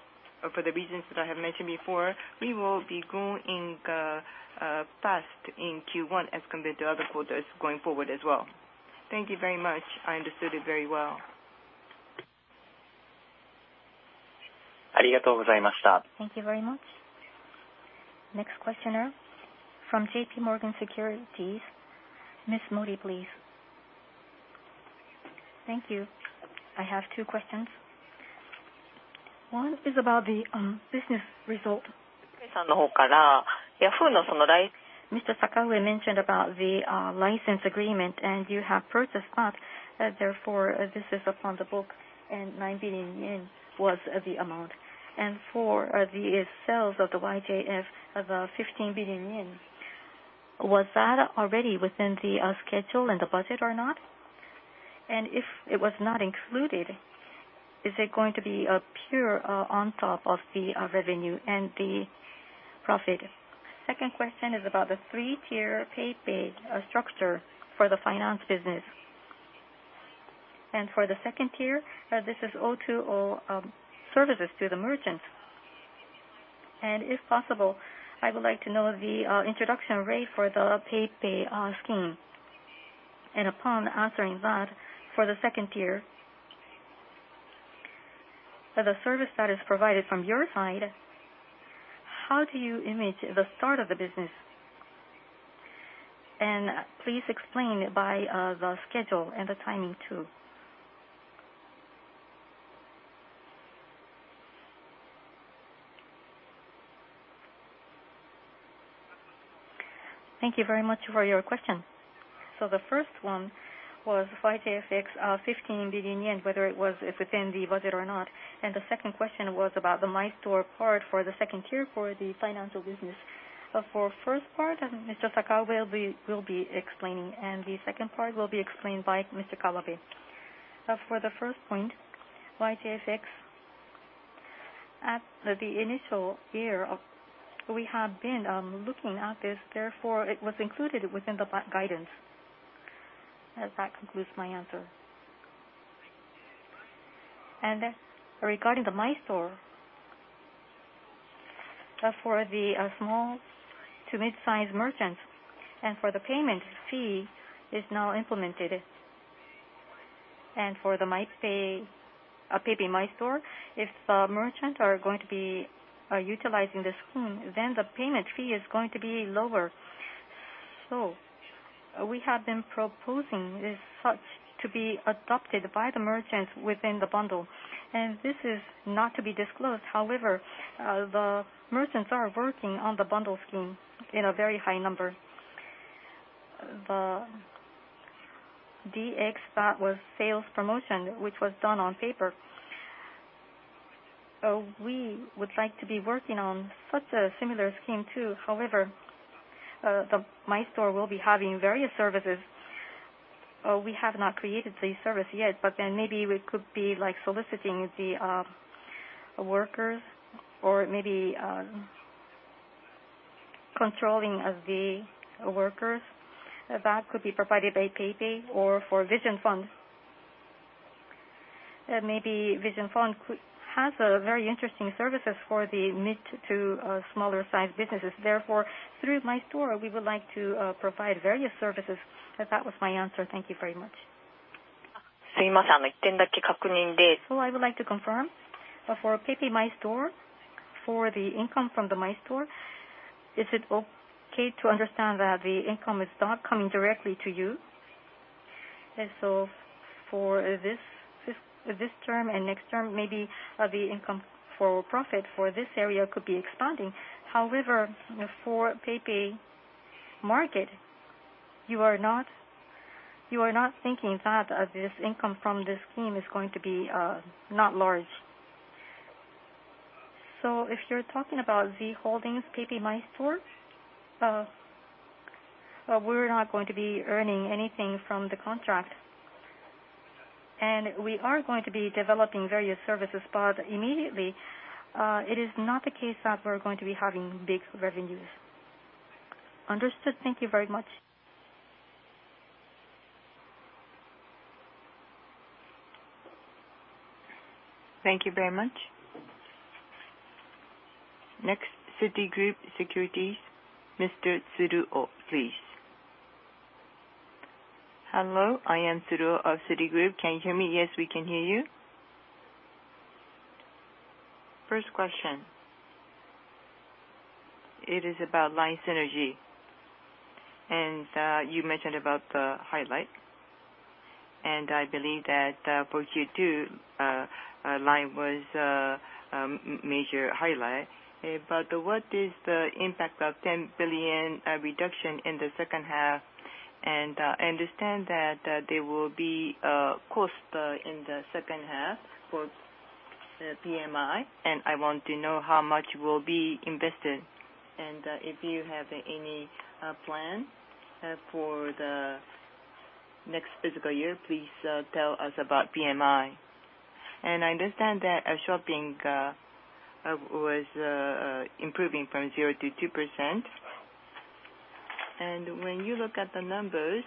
for the reasons that I have mentioned before, we will be growing fast in Q1 as compared to other quarters going forward as well. Thank you very much. I understood it very well. Thank you very much. Next questioner from JPMorgan Securities, Ms. Haruka Mori, please. Thank you. I have two questions. One is about the business result. Mr. Takao mentioned about the license agreement, and you have purchased that, therefore this is on the books and 9 billion yen was the amount. For the sales of the YJFX of 15 billion yen, was that already within the schedule and the budget or not? If it was not included, is it going to be pure on top of the revenue and the profit. Second question is about the three-tier PayPay structure for the finance business. For the second tier, this is O2O services to the merchants. If possible, I would like to know the introduction rate for the PayPay scheme. Upon answering that, for the second tier, for the service that is provided from your side, how do you imagine the start of the business? Please explain by the schedule and the timing too. Thank you very much for your question. The first one was YJFX, 15 billion yen, whether it was within the budget or not. The second question was about the My Store part for the second tier for the financial business. For first part, Mr. Sakaue will be explaining, and the second part will be explained by Mr. Kawabe. For the first point, YJFX, at the initial year of, we have been looking at this, therefore it was included within the guidance. That concludes my answer. Regarding the My Store, for the small- to mid-size merchants, and for the payment fee is now implemented. For the PayPay My Store, if the merchants are going to be utilizing the scheme, then the payment fee is going to be lower. We have been proposing this such to be adopted by the merchants within the bundle, and this is not to be disclosed. However, the merchants are working on the bundle scheme in a very high number. The DX that was sales promotion, which was done on paper, we would like to be working on such a similar scheme too. However, the My Store will be having various services. We have not created the service yet, but then maybe we could be like soliciting the workers or maybe controlling of the workers that could be provided by PayPay or for Vision Fund. Maybe Vision Fund has very interesting services for the mid to smaller size businesses. Therefore, through My Store, we would like to provide various services. That was my answer. Thank you very much. I would like to confirm, for PayPay My Store, for the income from the My Store, is it okay to understand that the income is not coming directly to you? For this term and next term, maybe the income for profit for this area could be expanding. However, for PayPay Mall, you are not thinking that this income from this scheme is going to be not large. If you're talking about Z Holdings PayPay My Store, we're not going to be earning anything from the contract, and we are going to be developing various services, but immediately, it is not the case that we're going to be having big revenues. Understood. Thank you very much. Thank you very much. Next, Citigroup Securities, Mr. Tsuruo, please. Hello, I am Tsuruo of Citigroup. Can you hear me? Yes, we can hear you. First question. It is about LINE synergy, and you mentioned about the highlight, and I believe that for Q2, LINE was a major highlight. What is the impact of 10 billion reduction in the H2? I understand that there will be cost in the H2 for PMI, and I want to know how much will be invested. If you have any plan for the next fiscal year, please tell us about PMI. I understand that shopping was improving from 0%-2%. When you look at the numbers,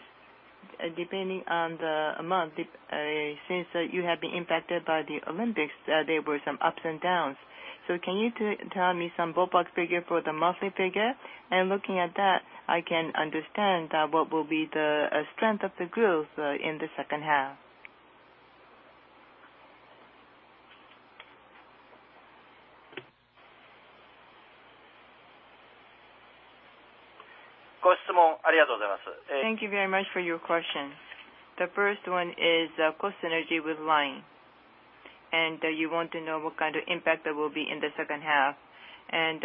depending on the month, since you have been impacted by the Olympics, there were some ups and downs. Can you tell me some ballpark figure for the monthly figure? Looking at that, I can understand what will be the strength of the growth in the H2. Thank you very much for your question. The first one is cost synergy with LINE, and you want to know what kind of impact there will be in the H2.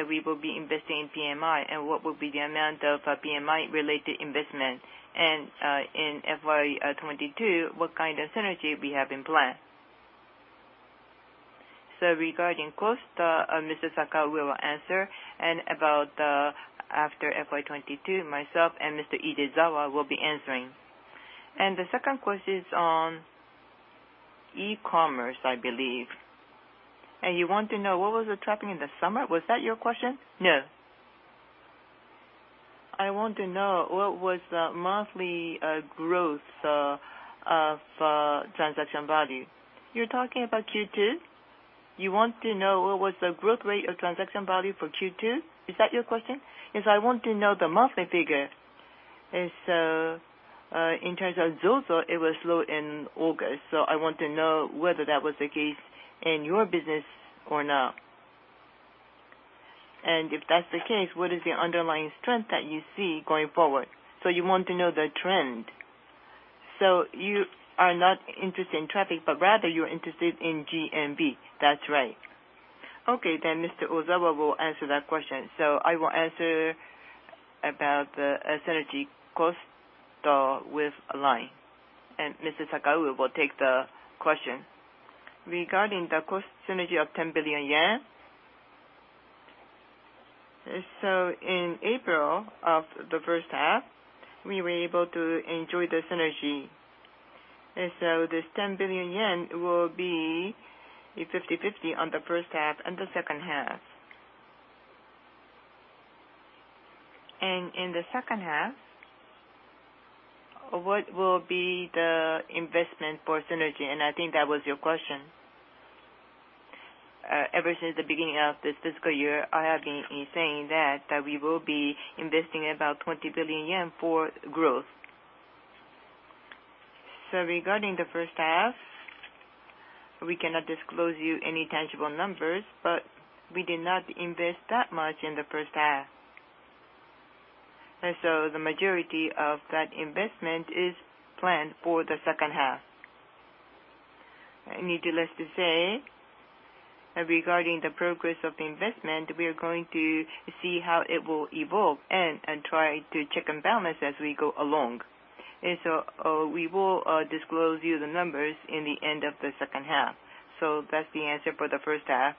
We will be investing in PMI, and what will be the amount of PMI related investment. In FY 2022, what kind of synergy we have in plan. Regarding cost, Mr. Sakaue will answer. About after FY 2022, myself and Mr. Idezawa will be answering. The second question is on E-commerce, I believe. You want to know what was the traffic in the summer? Was that your question? No. I want to know what was the monthly growth of transaction value? You're talking about Q2? You want to know what was the growth rate of transaction value for Q2? Is that your question? Yes, I want to know the monthly figure. In terms of ZOZO, it was low in August, so I want to know whether that was the case in your business or not. If that's the case, what is the underlying strength that you see going forward? You want to know the trend. You are not interested in traffic, but rather you're interested in GMV. That's right. Mr. Ozawa will answer that question. I will answer about the synergy cost with LINE, and Mr. Sakaue will take the question. Regarding the cost synergy of 10 billion yen. In April of the H1, we were able to enjoy the synergy. This 10 billion yen will be 50/50 on the H1 and the H2. In the H2, what will be the investment for synergy? I think that was your question. Ever since the beginning of this fiscal year, I have been saying that we will be investing about 20 billion yen for growth. Regarding the H1, we cannot disclose to you any tangible numbers, but we did not invest that much in the H1. The majority of that investment is planned for the H2. Needless to say, regarding the progress of the investment, we are going to see how it will evolve and try to check and balance as we go along. We will disclose to you the numbers at the end of the H2. That's the answer for the H1.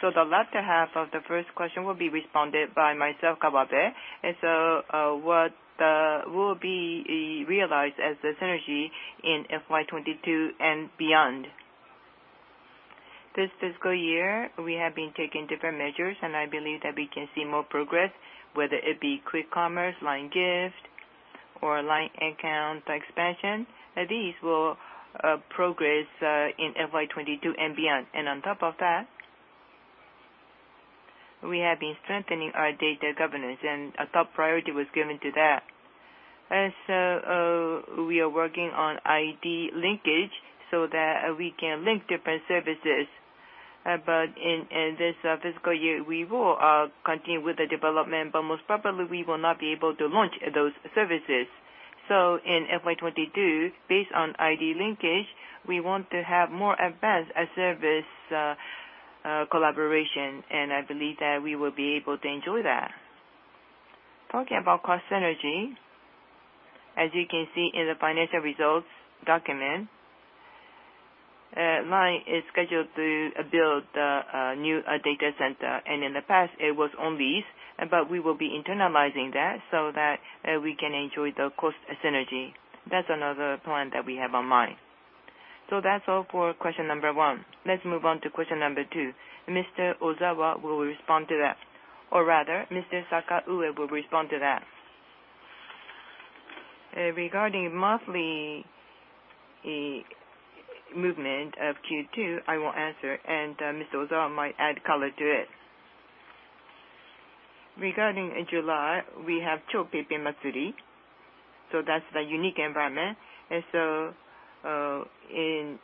The latter half of the first question will be responded to by myself, Kawabe. What will be realized as the synergy in FY 2022 and beyond. This fiscal year, we have been taking different measures, and I believe that we can see more progress, whether it be Quick Commerce, LINE Gift, or LINE account expansion. These will progress in FY 2022 and beyond. On top of that, we have been strengthening our data governance, and a top priority was given to that. We are working on ID linkage so that we can link different services. In this fiscal year, we will continue with the development, but most probably we will not be able to launch those services. In FY 2022, based on ID linkage, we want to have more advanced service collaboration, and I believe that we will be able to enjoy that. Talking about cost synergy, as you can see in the financial results document, LINE is scheduled to build a new data center, and in the past it was on lease, but we will be internalizing that so that we can enjoy the cost synergy. That's another plan that we have on mind. That's all for question number one. Let's move on to question number two. Mr. Ozawa will respond to that, or rather Mr. Sakaue will respond to that. Regarding monthly movement of Q2, I will answer, and Mr. Ozawa might add color to it. Regarding July, we have Chou PayPay Matsuri, so that's the unique environment. In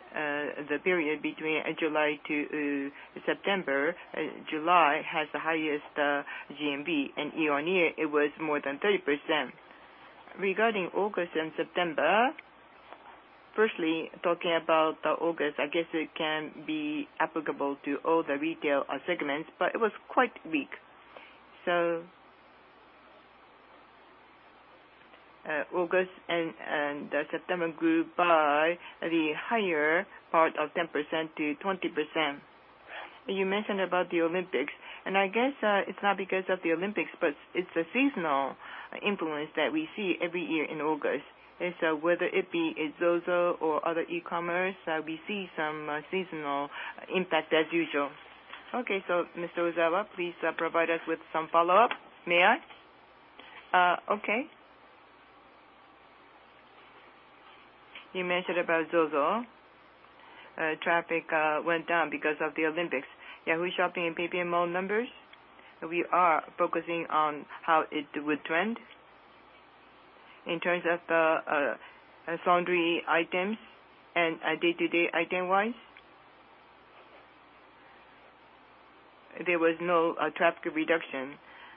the period between July to September, July has the highest GMV, and year-on-year, it was more than 30%. Regarding August and September, firstly, talking about August, I guess it can be applicable to all the retail segments, but it was quite weak. August and September grew by the higher part of 10%-20%. You mentioned about the Olympics, and I guess it's not because of the Olympics, but it's a seasonal influence that we see every year in August. Whether it be ZOZO or other e-commerce, we see some seasonal impact as usual. Okay. Mr. Ozawa, please, provide us with some follow-up. May I? Okay. You mentioned about ZOZO. Traffic went down because of the Olympics. Yahoo! Shopping and PayPay Mall numbers, we are focusing on how it would trend. In terms of the sundry items and day-to-day item-wise, there was no traffic reduction,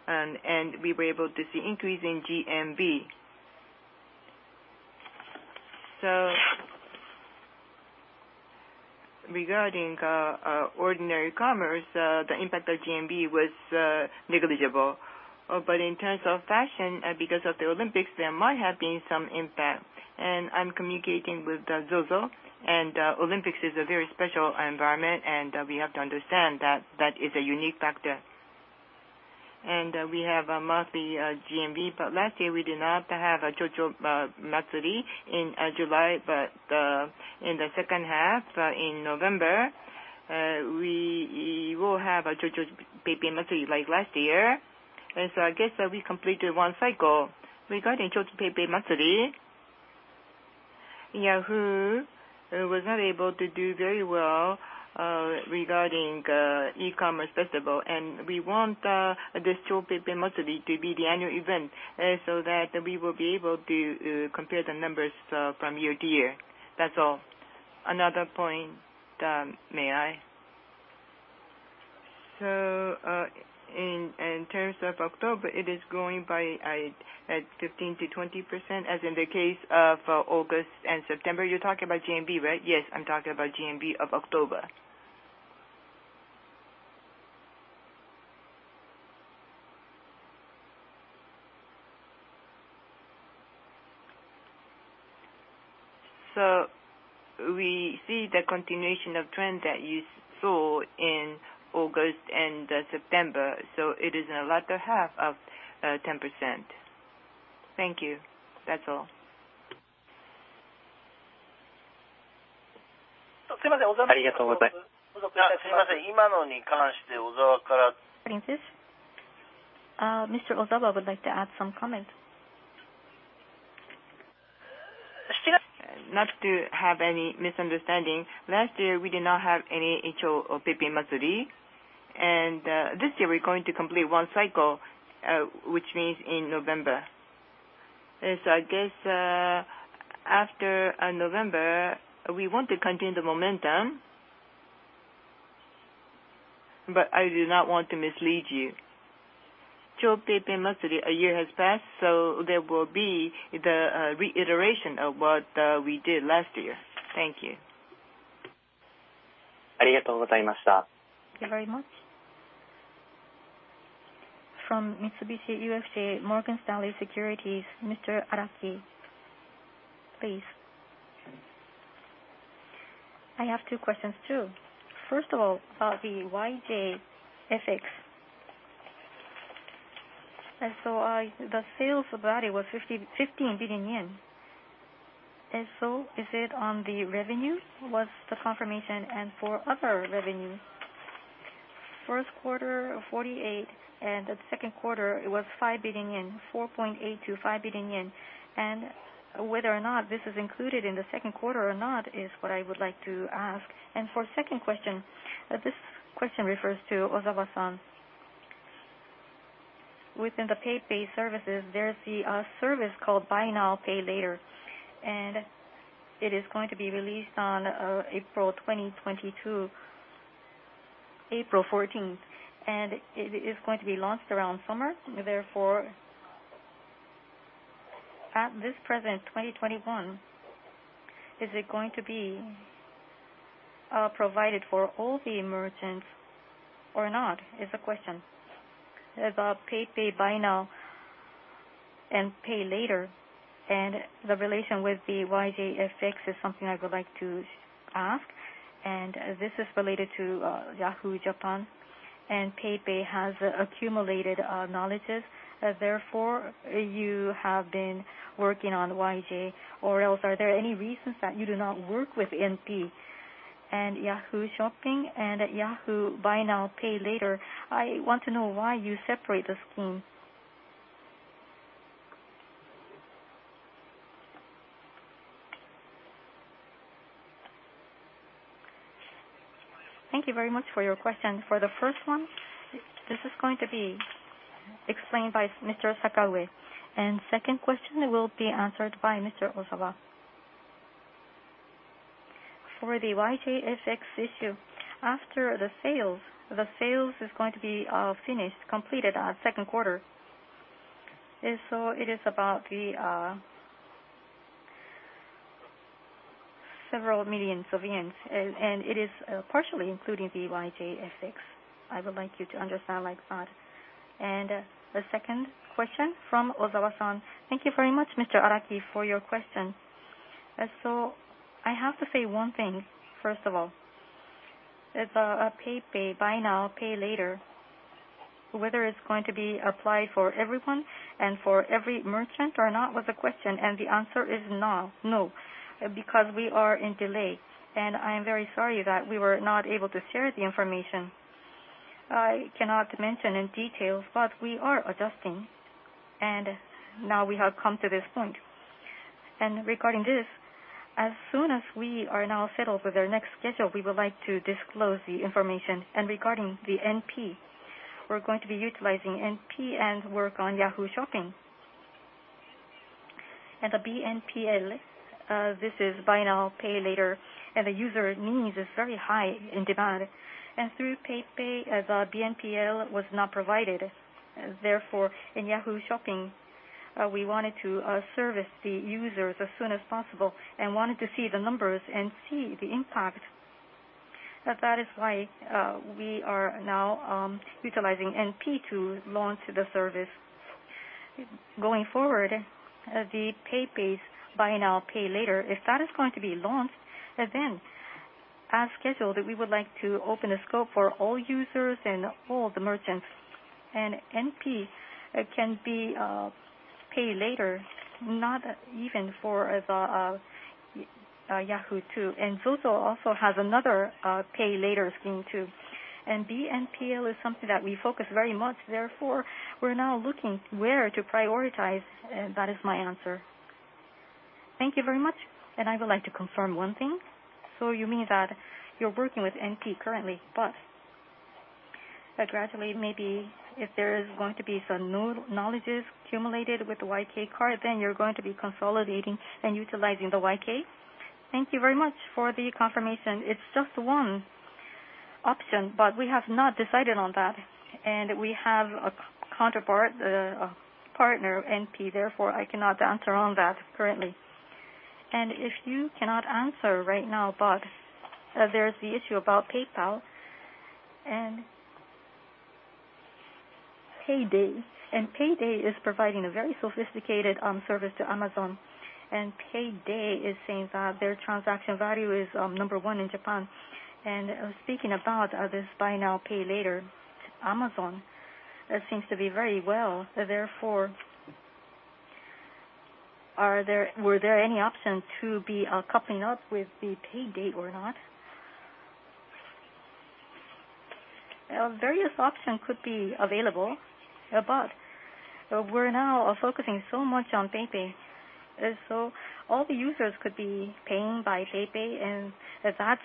and we were able to see increase in GMV. Regarding ordinary commerce, the impact of GMV was negligible. In terms of fashion, because of the Olympics, there might have been some impact. I'm communicating with ZOZO, and Olympics is a very special environment, and we have to understand that is a unique factor. We have a monthly GMV, but last year we did not have a Chou PayPay Matsuri in July. In the H2, in November, we will have a Chou PayPay Matsuri like last year. I guess that we completed one cycle. Regarding Chou PayPay Matsuri, Yahoo was not able to do very well regarding e-commerce festival. We want this Chou PayPay Matsuri to be the annual event so that we will be able to compare the numbers from year to year. That's all. Another point, may I? In terms of October, it is growing at 15%-20% as in the case of August and September. You're talking about GMV, right? Yes, I'm talking about GMV of October. We see the continuation of trend that you saw in August and September, so it is in the latter half of 10%. Thank you. That's all. Mr. Ozawa would like to add some comment. Not to have any misunderstanding, last year we did not have any Chou PayPay Matsuri. This year we're going to complete one cycle, which means in November. I guess, after November, we want to continue the momentum. I do not want to mislead you. Chou PayPay Matsuri, a year has passed, so there will be the reiteration of what we did last year. Thank you. Thank you very much. From Mitsubishi UFJ Morgan Stanley Securities, Mr. Araki, please. I have two questions, too. First of all, about the YJFX. The sales value was 5,015 billion yen. Is it on the revenue? What's the confirmation? For other revenue, Q1 4.8, and the Q2 it was 5 billion yen, 4.8 to 5 billion yen. Whether or not this is included in the Q2 or not is what I would like to ask. For second question, this question refers to Ozawa-san. Within the PayPay services, there's the service called Buy Now, Pay Later, and it is going to be released on April 2022, April 14. It is going to be launched around summer. Therefore, at this present 2021, is it going to be provided for all the merchants or not, is the question. About PayPay Buy Now, Pay Later and the relation with the YJFX is something I would like to ask. This is related to Yahoo! JAPAN. PayPay has accumulated knowledges, therefore, you have been working on YJ. Or else are there any reasons that you do not work with NP and Yahoo Shopping and Yahoo Buy Now, Pay Later? I want to know why you separate the scheme. Thank you very much for your question. For the first one, this is going to be explained by Mr. Sakaue. Second question will be answered by Mr. Ozawa. For the YJFX issue, after the sales, the sales is going to be finished, completed Q2. It is about the several million JPY, and it is partially including the YJFX. I would like you to understand like that. The second question from Takao Ozawa-san. Thank you very much, Mr. Araki, for your question. I have to say one thing, first of all. It's PayPay Buy Now, Pay Later, whether it's going to be applied for everyone and for every merchant or not was the question, and the answer is no, because we are in delay. I am very sorry that we were not able to share the information. I cannot mention in detail, but we are adjusting, and now we have come to this point. Regarding this, as soon as we are now settled with our next schedule, we would like to disclose the information. Regarding the NP, we're going to be utilizing NP and work on Yahoo Shopping. Regarding the BNPL, this is Buy Now, Pay Later and the user needs is very high in demand. Through PayPay, the BNPL was not provided. Therefore, in Yahoo Shopping, we wanted to service the users as soon as possible and wanted to see the numbers and see the impact. That is why we are now utilizing NP to launch the service. Going forward, the pay-based buy now, pay later, if that is going to be launched, then as scheduled, we would like to open a scope for all users and all the merchants. NP can be pay later, not even for the Yahoo too. ZOZO also has another pay later scheme too. BNPL is something that we focus very much, therefore, we're now looking where to prioritize. That is my answer. Thank you very much. I would like to confirm one thing. You mean that you're working with NP currently, but gradually, maybe if there is going to be some new knowledge accumulated with the YJ Card, then you're going to be consolidating and utilizing the YJ Card? Thank you very much for the confirmation. It's just one option, but we have not decided on that. We have a counterpart, a partner, NP. Therefore, I cannot answer on that currently. If you cannot answer right now, but there's the issue about PayPay and Paidy. Paidy is providing a very sophisticated service to Amazon. Paidy is saying that their transaction value is number one in Japan. Speaking about this Buy Now, Pay Later, Amazon seems to be very well. Therefore, were there any option to be coupling up with Paidy or not? Various options could be available, but we're now focusing so much on PayPay. All the users could be paying by PayPay, and that's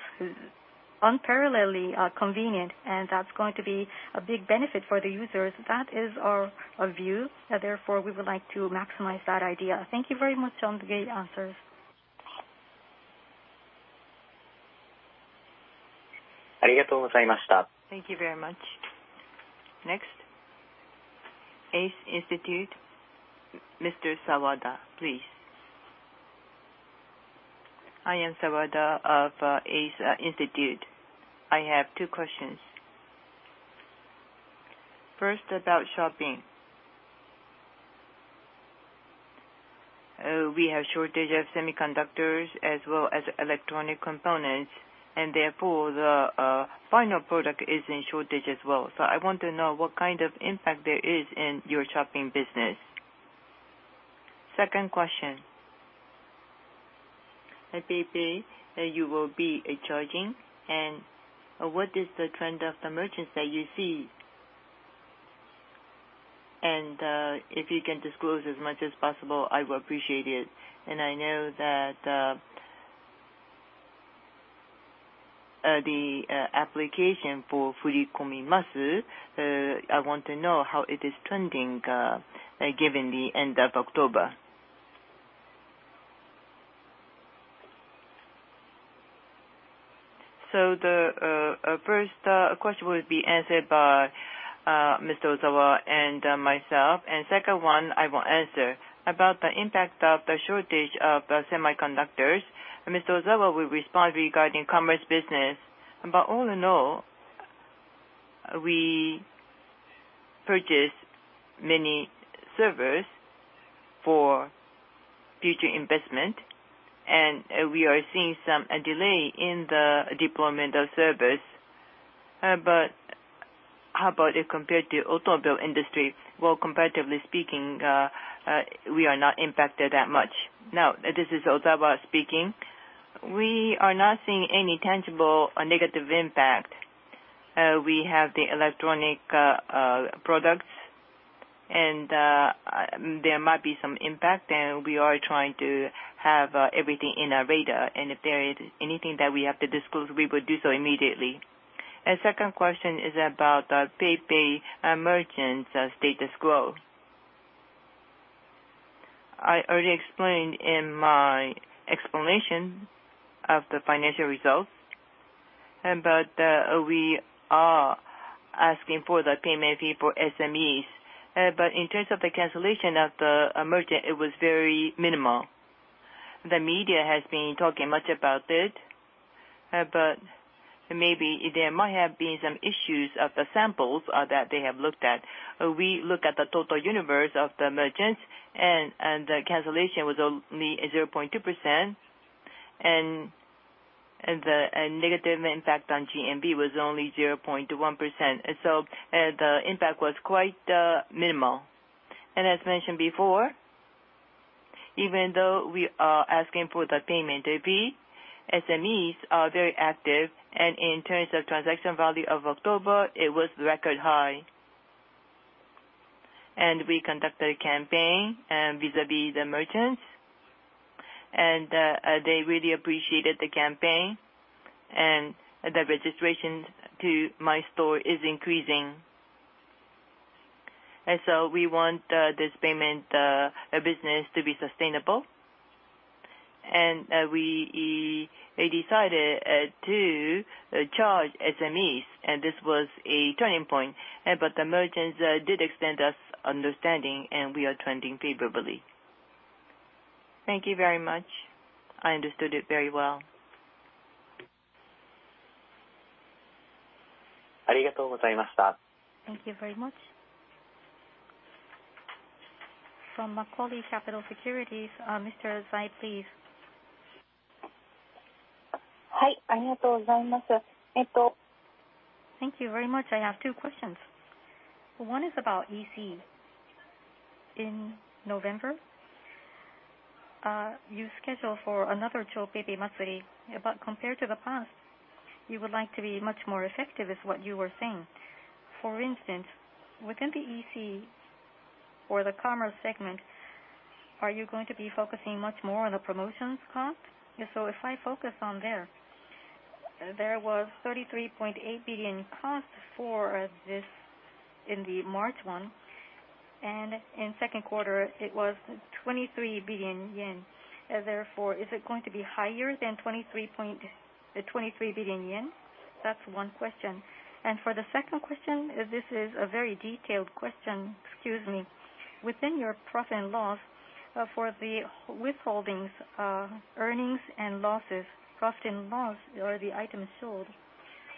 unparalleledly convenient, and that's going to be a big benefit for the users. That is our view. Therefore, we would like to maximize that idea. Thank you very much for the great answers. Thank you very much. Next, Ace Research Institute, Mr. Sawada, please. I am Sawada of Ace Research Institute. I have two questions. First, about shopping. We have shortage of semiconductors as well as electronic components, and therefore, the final product is in shortage as well. I want to know what kind of impact there is in your shopping business. Second question, at PayPay, you will be charging and what is the trend of the merchants that you see? If you can disclose as much as possible, I will appreciate it. I know that the application for furikomi nashi. I want to know how it is trending given the end of October. The first question will be answered by Mr. Ozawa and myself. Second one, I will answer. About the impact of the shortage of semiconductors, Mr. Ozawa will respond regarding commerce business. All in all, we purchase many servers for future investment, and we are seeing some delay in the deployment of servers. How about it compared to automobile industry? Well, comparatively speaking, we are not impacted that much. Now, this is Ozawa speaking. We are not seeing any tangible or negative impact. We have the electronic products, and there might be some impact, and we are trying to have everything in our radar. If there is anything that we have to disclose, we would do so immediately. Second question is about PayPay merchants status growth. I already explained in my explanation of the financial results, but we are asking for the payment fee for SMEs. In terms of the cancellation of the merchant, it was very minimal. The media has been talking much about it, but maybe there might have been some issues of the samples that they have looked at. We look at the total universe of the merchants and the cancellation was only 0.2% and the negative impact on GMV was only 0.1%. The impact was quite minimal. As mentioned before, even though we are asking for the payment fee, SMEs are very active, and in terms of transaction value of October, it was record high. We conducted a campaign vis-a-vis the merchants, and they really appreciated the campaign, and the registration to my store is increasing. We want this payment business to be sustainable. We decided to charge SMEs, and this was a turning point. The merchants did extend us understanding, and we are trending favorably. Thank you very much. I understood it very well. Thank you very much. From Macquarie Capital Securities, Mr. Zai, please. Thank you very much. I have two questions. One is about EC. In November, you schedule for another Chou PayPay Matsuri, but compared to the past, you would like to be much more effective is what you were saying. For instance, within the EC or the commerce segment, are you going to be focusing much more on the promotions cost? So, if I focus on there was 33.8 billion cost for this in the March one, and in Q2, it was 23 billion yen. Therefore, is it going to be higher than 23 billion yen? That's one question. For the second question, this is a very detailed question. Excuse me. Within your profit and loss, for the withholdings, earnings and losses, profit and loss are the items sold.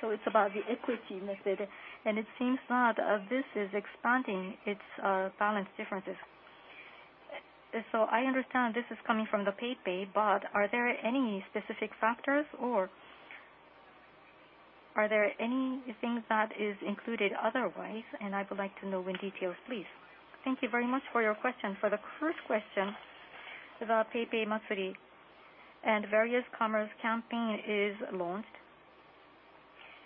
It's about the equity method, and it seems that this is expanding its balance differences. I understand this is coming from the PayPay, but are there any specific factors, or are there any things that is included otherwise? I would like to know in detail, please. Thank you very much for your question. For the first question, the PayPay Matsuri and various commerce campaign is launched,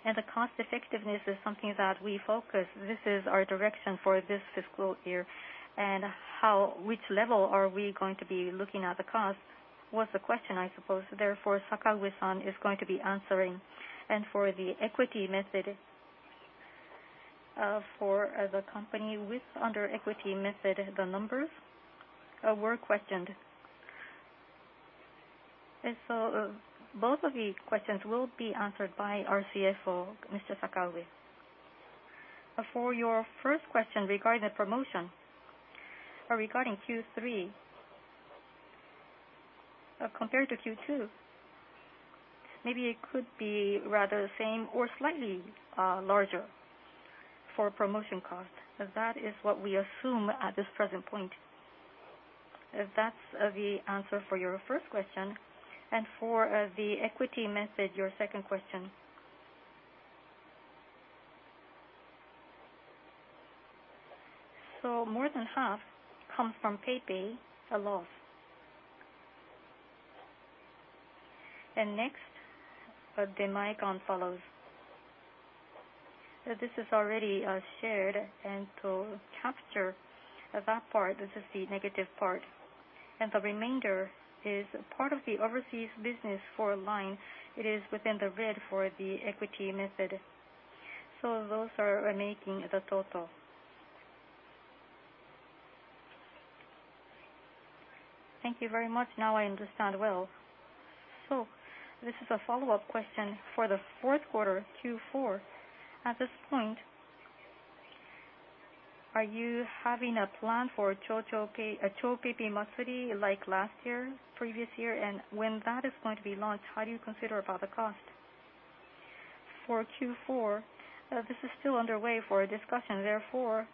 and the cost effectiveness is something that we focus. This is our direction for this fiscal year. How, which level are we going to be looking at the cost? was the question, I suppose. Therefore, Sakaue-san is going to be answering. For the equity method, for the company with under equity method, the numbers were questioned. Both of the questions will be answered by our CFO, Mr. Sakagami. For your first question regarding the promotion, regarding Q3, compared to Q2, maybe it could be rather the same or slightly larger for promotion cost. That is what we assume at this present point. That's the answer for your first question. For the equity method, your second question. More than half come from PayPay, a loss. Next, the LINE follows. This is already shared. To capture that part, this is the negative part. The remainder is part of the overseas business for LINE. It is within the red for the equity method. Those are making the total. Thank you very much. Now I understand well. This is a follow-up question for the Q4, Q4. At this point, are you having a plan for a Chou PayPay Matsuri like last year, previous year? And when that is going to be launched, how do you consider about the cost? For Q4, this is still under discussion. Therefore,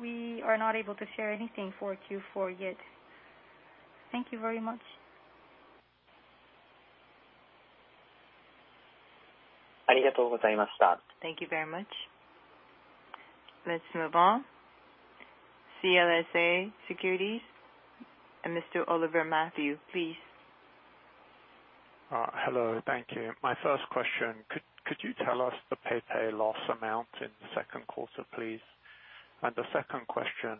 we are not able to share anything for Q4 yet. Thank you very much. Thank you very much. Let's move on. CLSA, Mr. Oliver Matthew, please. Hello. Thank you. My first question, could you tell us the PayPay loss amount in the Q2, please? The second question,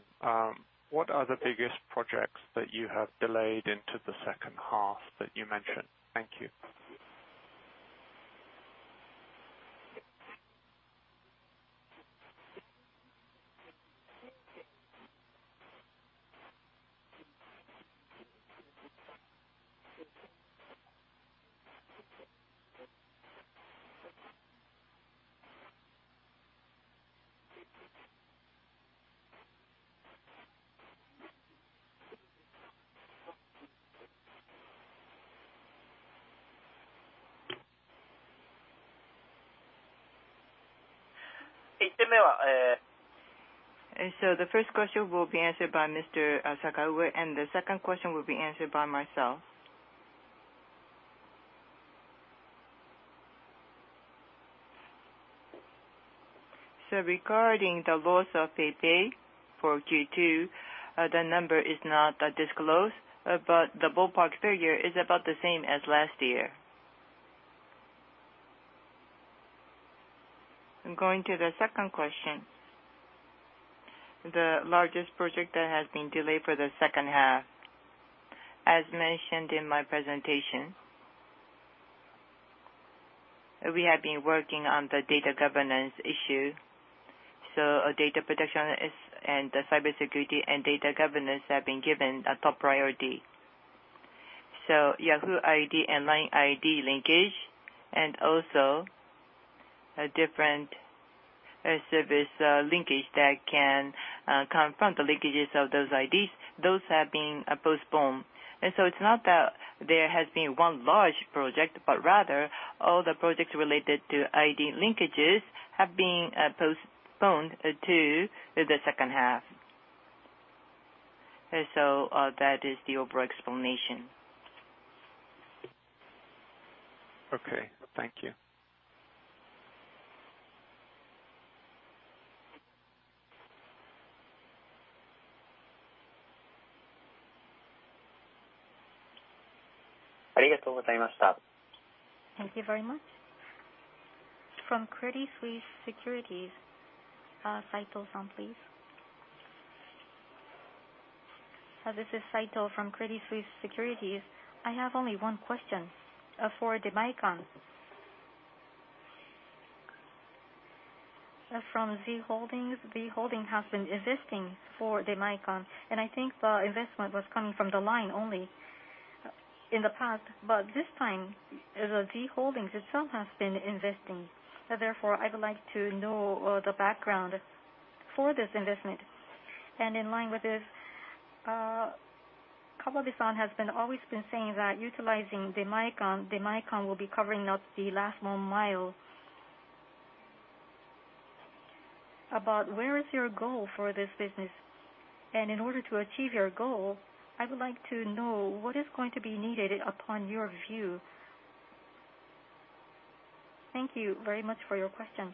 what are the biggest projects that you have delayed into the H2 that you mentioned? Thank you. The first question will be answered by Mr. Sakagami, and the second question will be answered by myself. Regarding the loss of PayPay for Q2, the number is not disclosed, but the ballpark figure is about the same as last year. Going to the second question, the largest project that has been delayed for the H2. As mentioned in my presentation, we have been working on the data governance issue. Data protection, cybersecurity, and data governance have been given a top priority. Yahoo ID and LINE ID linkage and also a different service linkage that can confront the leakages of those IDs, those have been postponed. It's not that there has been one large project, but rather all the projects related to ID linkages have been postponed to the H2. That is the overall explanation. Okay. Thank you. Thank you very much. From Credit Suisse Securities, Go Saito, please. This is Saito from Credit Suisse Securities. I have only one question for the Demae-can. From Z Holdings, Z Holdings has been investing for the Demae-can, and I think the investment was coming from LINE only in the past. But this time, the Z Holdings itself has been investing. Therefore, I would like to know the background for this investment. And in line with this, Kawabe-san has always been saying that utilizing the Demae-can, the Demae-can will be covering up the last one mile. About where is your goal for this business? And in order to achieve your goal, I would like to know what is going to be needed in your view. Thank you very much for your question.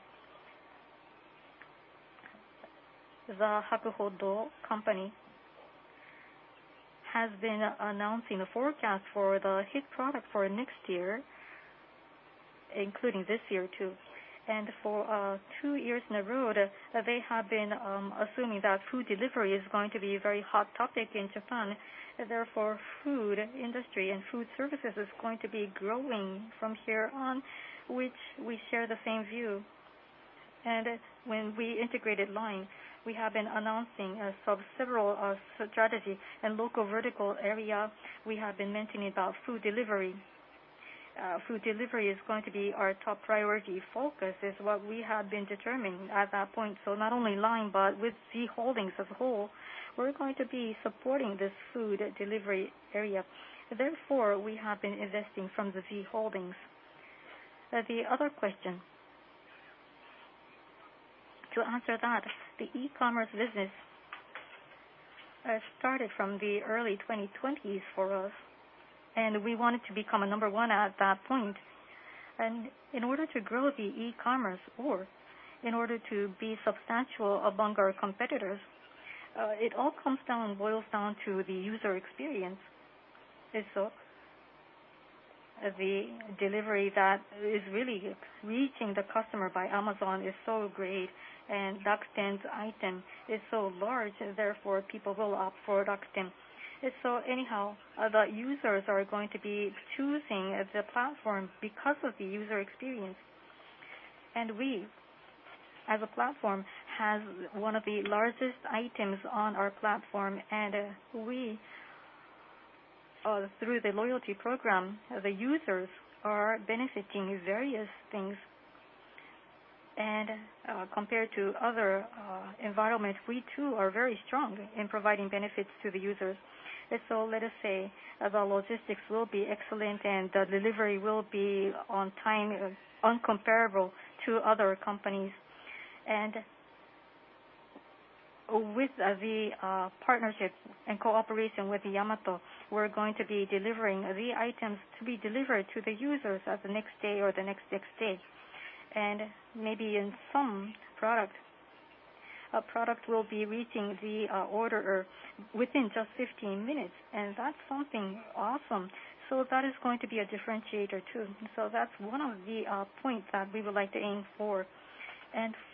Hakuhodo company has been announcing a forecast for the hit product for next year, including this year, too. For two years in a row, they have been assuming that food delivery is going to be a very hot topic in Japan. Therefore, food industry and food services is going to be growing from here on, which we share the same view. When we integrated LINE, we have been announcing several strategy and local vertical area, we have been mentioning about food delivery. Food delivery is going to be our top priority focus is what we have been determining at that point. Not only LINE, but with Z Holdings as a whole, we're going to be supporting this food delivery area. Therefore, we have been investing from the Z Holdings. The other question. To answer that, the e-commerce business started from the early 2020s for us, and we wanted to become a number one at that point. In order to grow the e-commerce or in order to be substantial among our competitors, it all comes down and boils down to the user experience. The delivery that is really reaching the customer by Amazon is so great, and Rakuten's item is so large, therefore people will opt for Rakuten. Anyhow, the users are going to be choosing the platform because of the user experience. We, as a platform, has one of the largest items on our platform. We through the loyalty program, the users are benefiting various things. Compared to other environment, we too are very strong in providing benefits to the users. Let us say the logistics will be excellent and the delivery will be on time incomparable to other companies. With the partnership and cooperation with Yamato, we're going to be delivering the items to be delivered to the users at the next day or the next day. Maybe in some product, a product will be reaching the orderer within just 15 minutes. That's something awesome. That is going to be a differentiator, too. That's one of the points that we would like to aim for.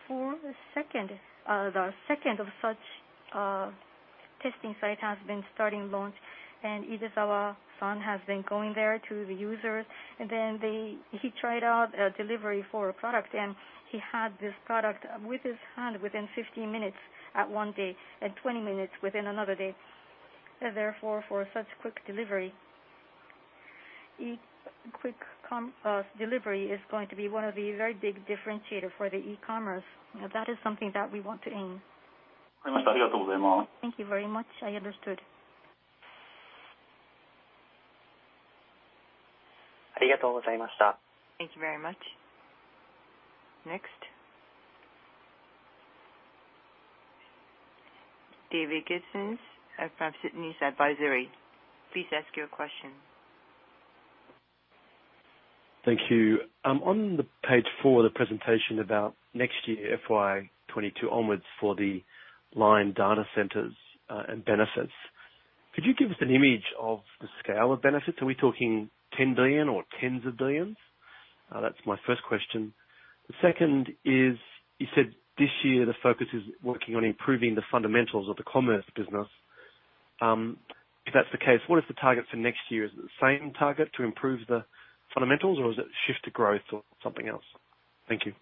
For the second, the second of such testing site has been launched, and Idezawa-san has been going there to the users. He tried out a delivery for a product, and he had this product with his hand within 15 minutes one day and 20 minutes within another day. Therefore, for such quick delivery, quick commerce delivery is going to be one of the very big differentiator for the e-commerce. That is something that we want to aim. Thank you very much. I understood. Thank you very much. Next. David Gibson from Astris Advisory, please ask your question. Thank you. On the page four of the presentation about next year, FY 2022 onwards for the LINE data centers, and benefits, could you give us an image of the scale of benefits? Are we talking 10 billion or tens of billions? That's my first question. The second is you said this year the focus is working on improving the fundamentals of the commerce business. If that's the case, what is the target for next year? Is it the same target to improve the fundamentals, or is it shift to growth or something else? Thank you.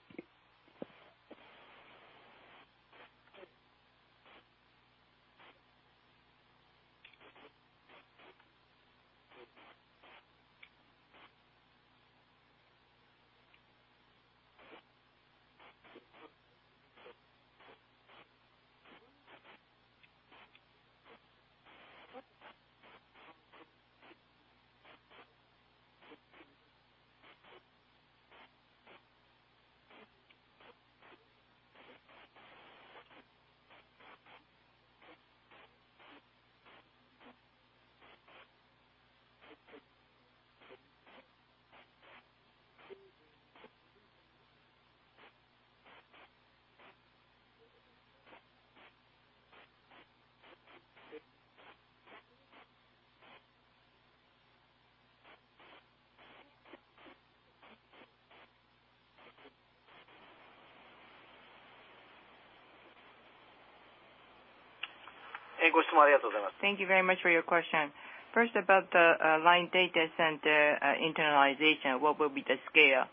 Thank you very much for your question. First, about the LINE data center internalization, what will be the scale?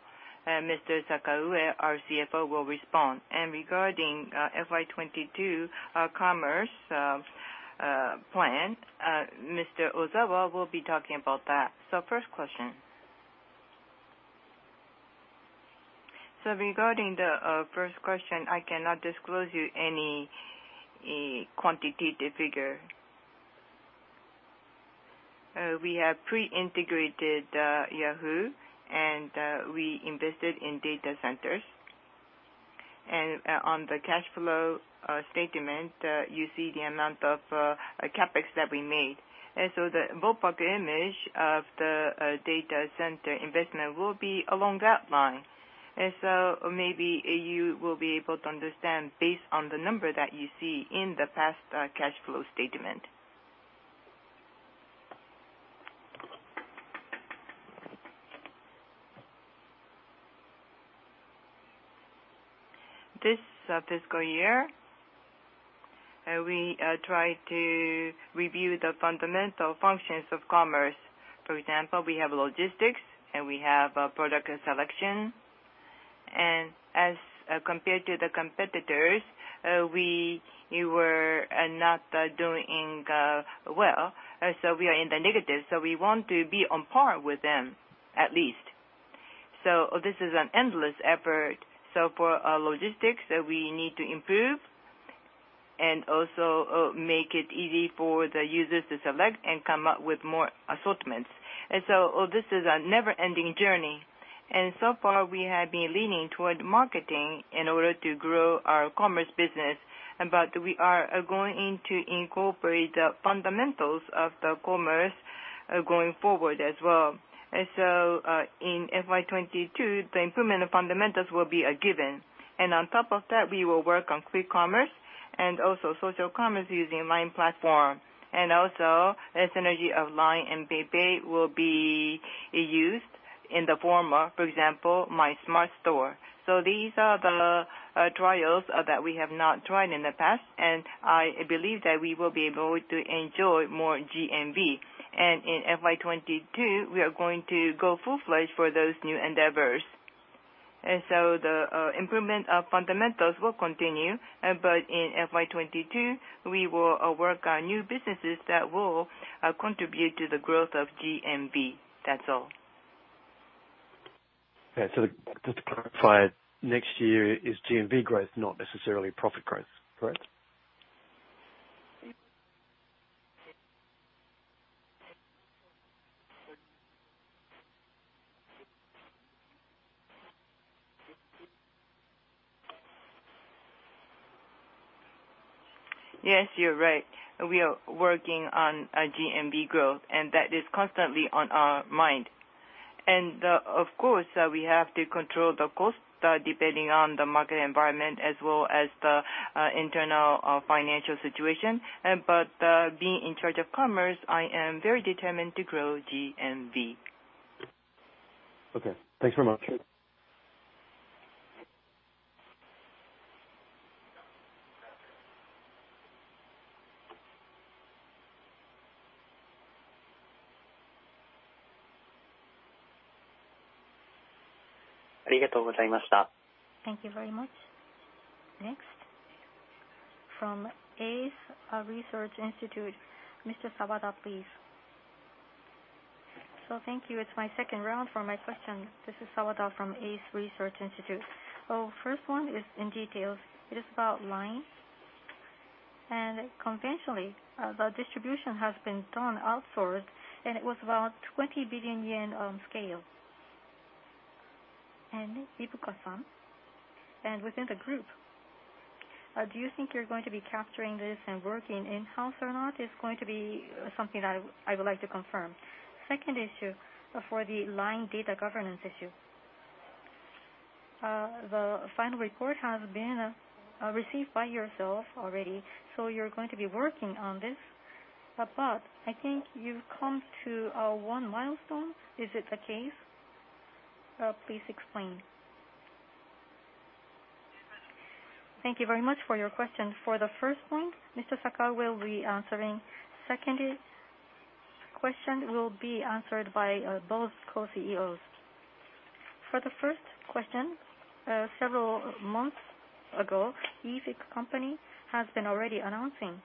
Mr. Sakaue, our CFO, will respond. Regarding FY 2022, our commerce plan, Mr. Ozawa will be talking about that. First question. Regarding the first question, I cannot disclose you any quantitative figure. We have pre-integrated Yahoo, and we invested in data centers. On the cash flow statement, you see the amount of CapEx that we made. The ballpark image of the data center investment will be along that line. Maybe you will be able to understand based on the number that you see in the past cash flow statement. This fiscal year, we try to review the fundamental functions of commerce. For example, we have logistics, and we have product selection. As compared to the competitors, we were not doing well, so we are in the negative. We want to be on par with them at least. This is an endless effort. For our logistics that we need to improve and also make it easy for the users to select and come up with more assortments. This is a never-ending journey. So far, we have been leaning toward marketing in order to grow our commerce business, but we are going to incorporate the fundamentals of the commerce going forward as well. In FY 2022, the improvement of fundamentals will be a given. On top of that, we will work on quick commerce and also social commerce using LINE platform. Also, the synergy of LINE and PayPay will be used in the former, for example, My Smart Store. These are the trials that we have not tried in the past, and I believe that we will be able to enjoy more GMV. In FY 2022, we are going to go full-fledged for those new endeavors. The improvement of fundamentals will continue, but in FY 2022, we will work on new businesses that will contribute to the growth of GMV. That's all. Yeah. Just to clarify, next year is GMV growth, not necessarily profit growth. Correct? Yes, you're right. We are working on GMV growth, and that is constantly on our mind. Of course, we have to control the cost, depending on the market environment as well as the internal financial situation. Being in charge of commerce, I am very determined to grow GMV. Okay. Thanks very much. Thank you very much. Next, from Ace Research Institute, Mr. Sawada, please. Thank you. This is my second round for my questions. This is Sawada from Ace Research Institute. First one is in details. It is about LINE. Conventionally, the distribution has been done outsourced, and it was about 20 billion yen on scale. Idezawa-san, within the group, do you think you're going to be capturing this and working in-house or not? It's going to be something that I would like to confirm. Second issue, for the LINE data governance issue, the final report has been received by yourself already, so you're going to be working on this. I think you've come to one milestone. Is it the case? Please explain. Thank you very much for your question. For the first point, Mr. Sakaue will be answering. Second question will be answered by both co-CEOs. For the first question, several months ago, ASKUL company has been already announcing,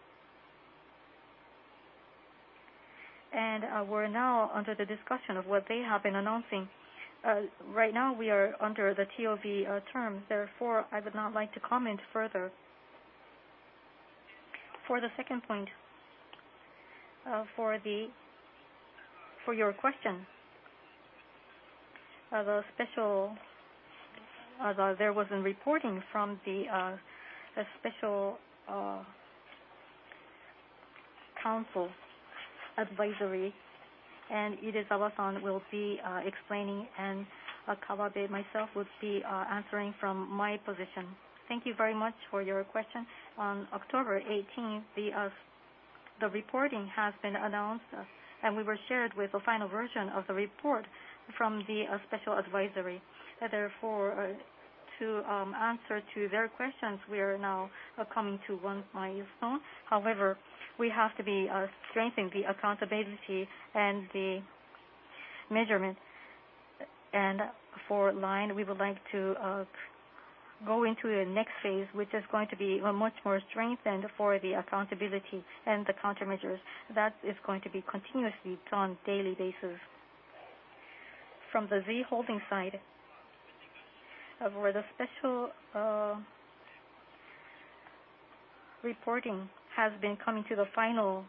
and we're now under the discussion of what they have been announcing. Right now, we are under the TOB terms, therefore, I would not like to comment further. For the second point, for your question on the special, there was a report from the special advisory council, and Idezawa-san will be explaining and Kawabe, myself, will be answering from my position. Thank you very much for your question. On October 18, the report has been announced, and we were shared with a final version of the report from the special advisory council. Therefore, to answer to their questions, we are now coming to one milestone. However, we have to be strengthening the accountability and the measurement. For LINE, we would like to go into the next phase, which is going to be much more strengthened for the accountability and the countermeasures. That is going to be continuously done daily basis. From the Z Holdings side, where the special reporting has been coming to the final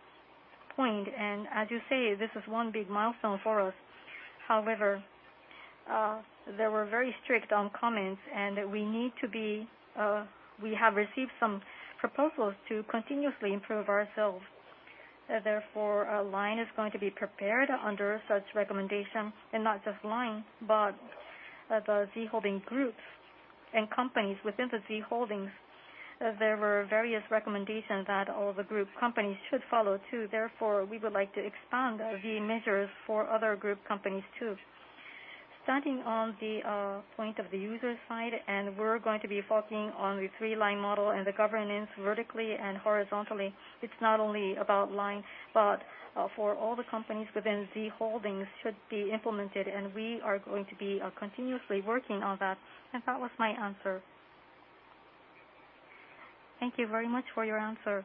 point, and as you say, this is one big milestone for us. However, they were very strict on comments, and we need to be, we have received some proposals to continuously improve ourselves. Therefore, LINE is going to be prepared under such recommendation. Not just LINE, but the Z Holdings groups and companies within the Z Holdings, there were various recommendations that all the group companies should follow too. Therefore, we would like to expand the measures for other group companies too. Starting on the point of the user side, we're going to be focusing on the three LINE model and the governance vertically and horizontally. It's not only about LINE, but for all the companies within Z Holdings should be implemented, and we are going to be continuously working on that. That was my answer. Thank you very much for your answer.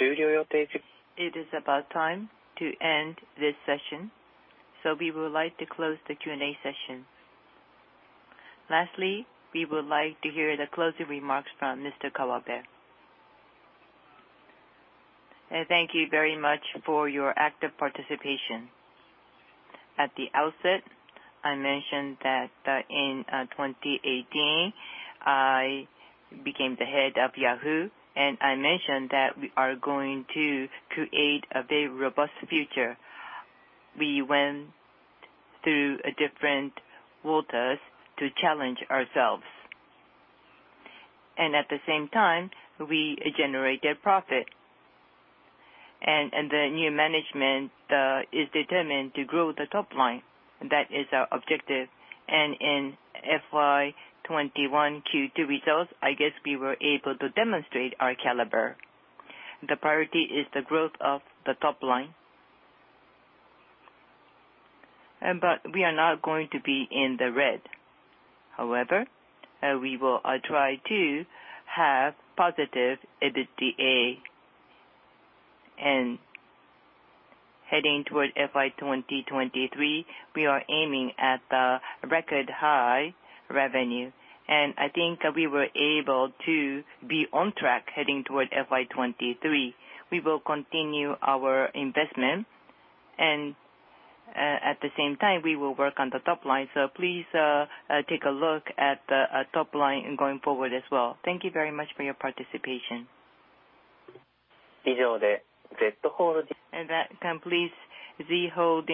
It is about time to end this session, so we would like to close the Q&A session. Lastly, we would like to hear the closing remarks from Mr. Kawabe. Thank you very much for your active participation. At the outset, I mentioned that in 2018, I became the head of Yahoo, and I mentioned that we are going to create a very robust future. We went through a different water to challenge ourselves. At the same time, we generated profit. The new management is determined to grow the top line. That is our objective. In FY 2021 Q2 results, I guess we were able to demonstrate our caliber. The priority is the growth of the top line. We are not going to be in the red. However, we will try to have positive EBITDA. Heading toward FY 2023, we are aiming at record-high revenue. I think we were able to be on track heading toward FY 2023. We will continue our investment and at the same time, we will work on the top line. Please take a look at the top line going forward as well. Thank you very much for your participation. That completes Z Holdings-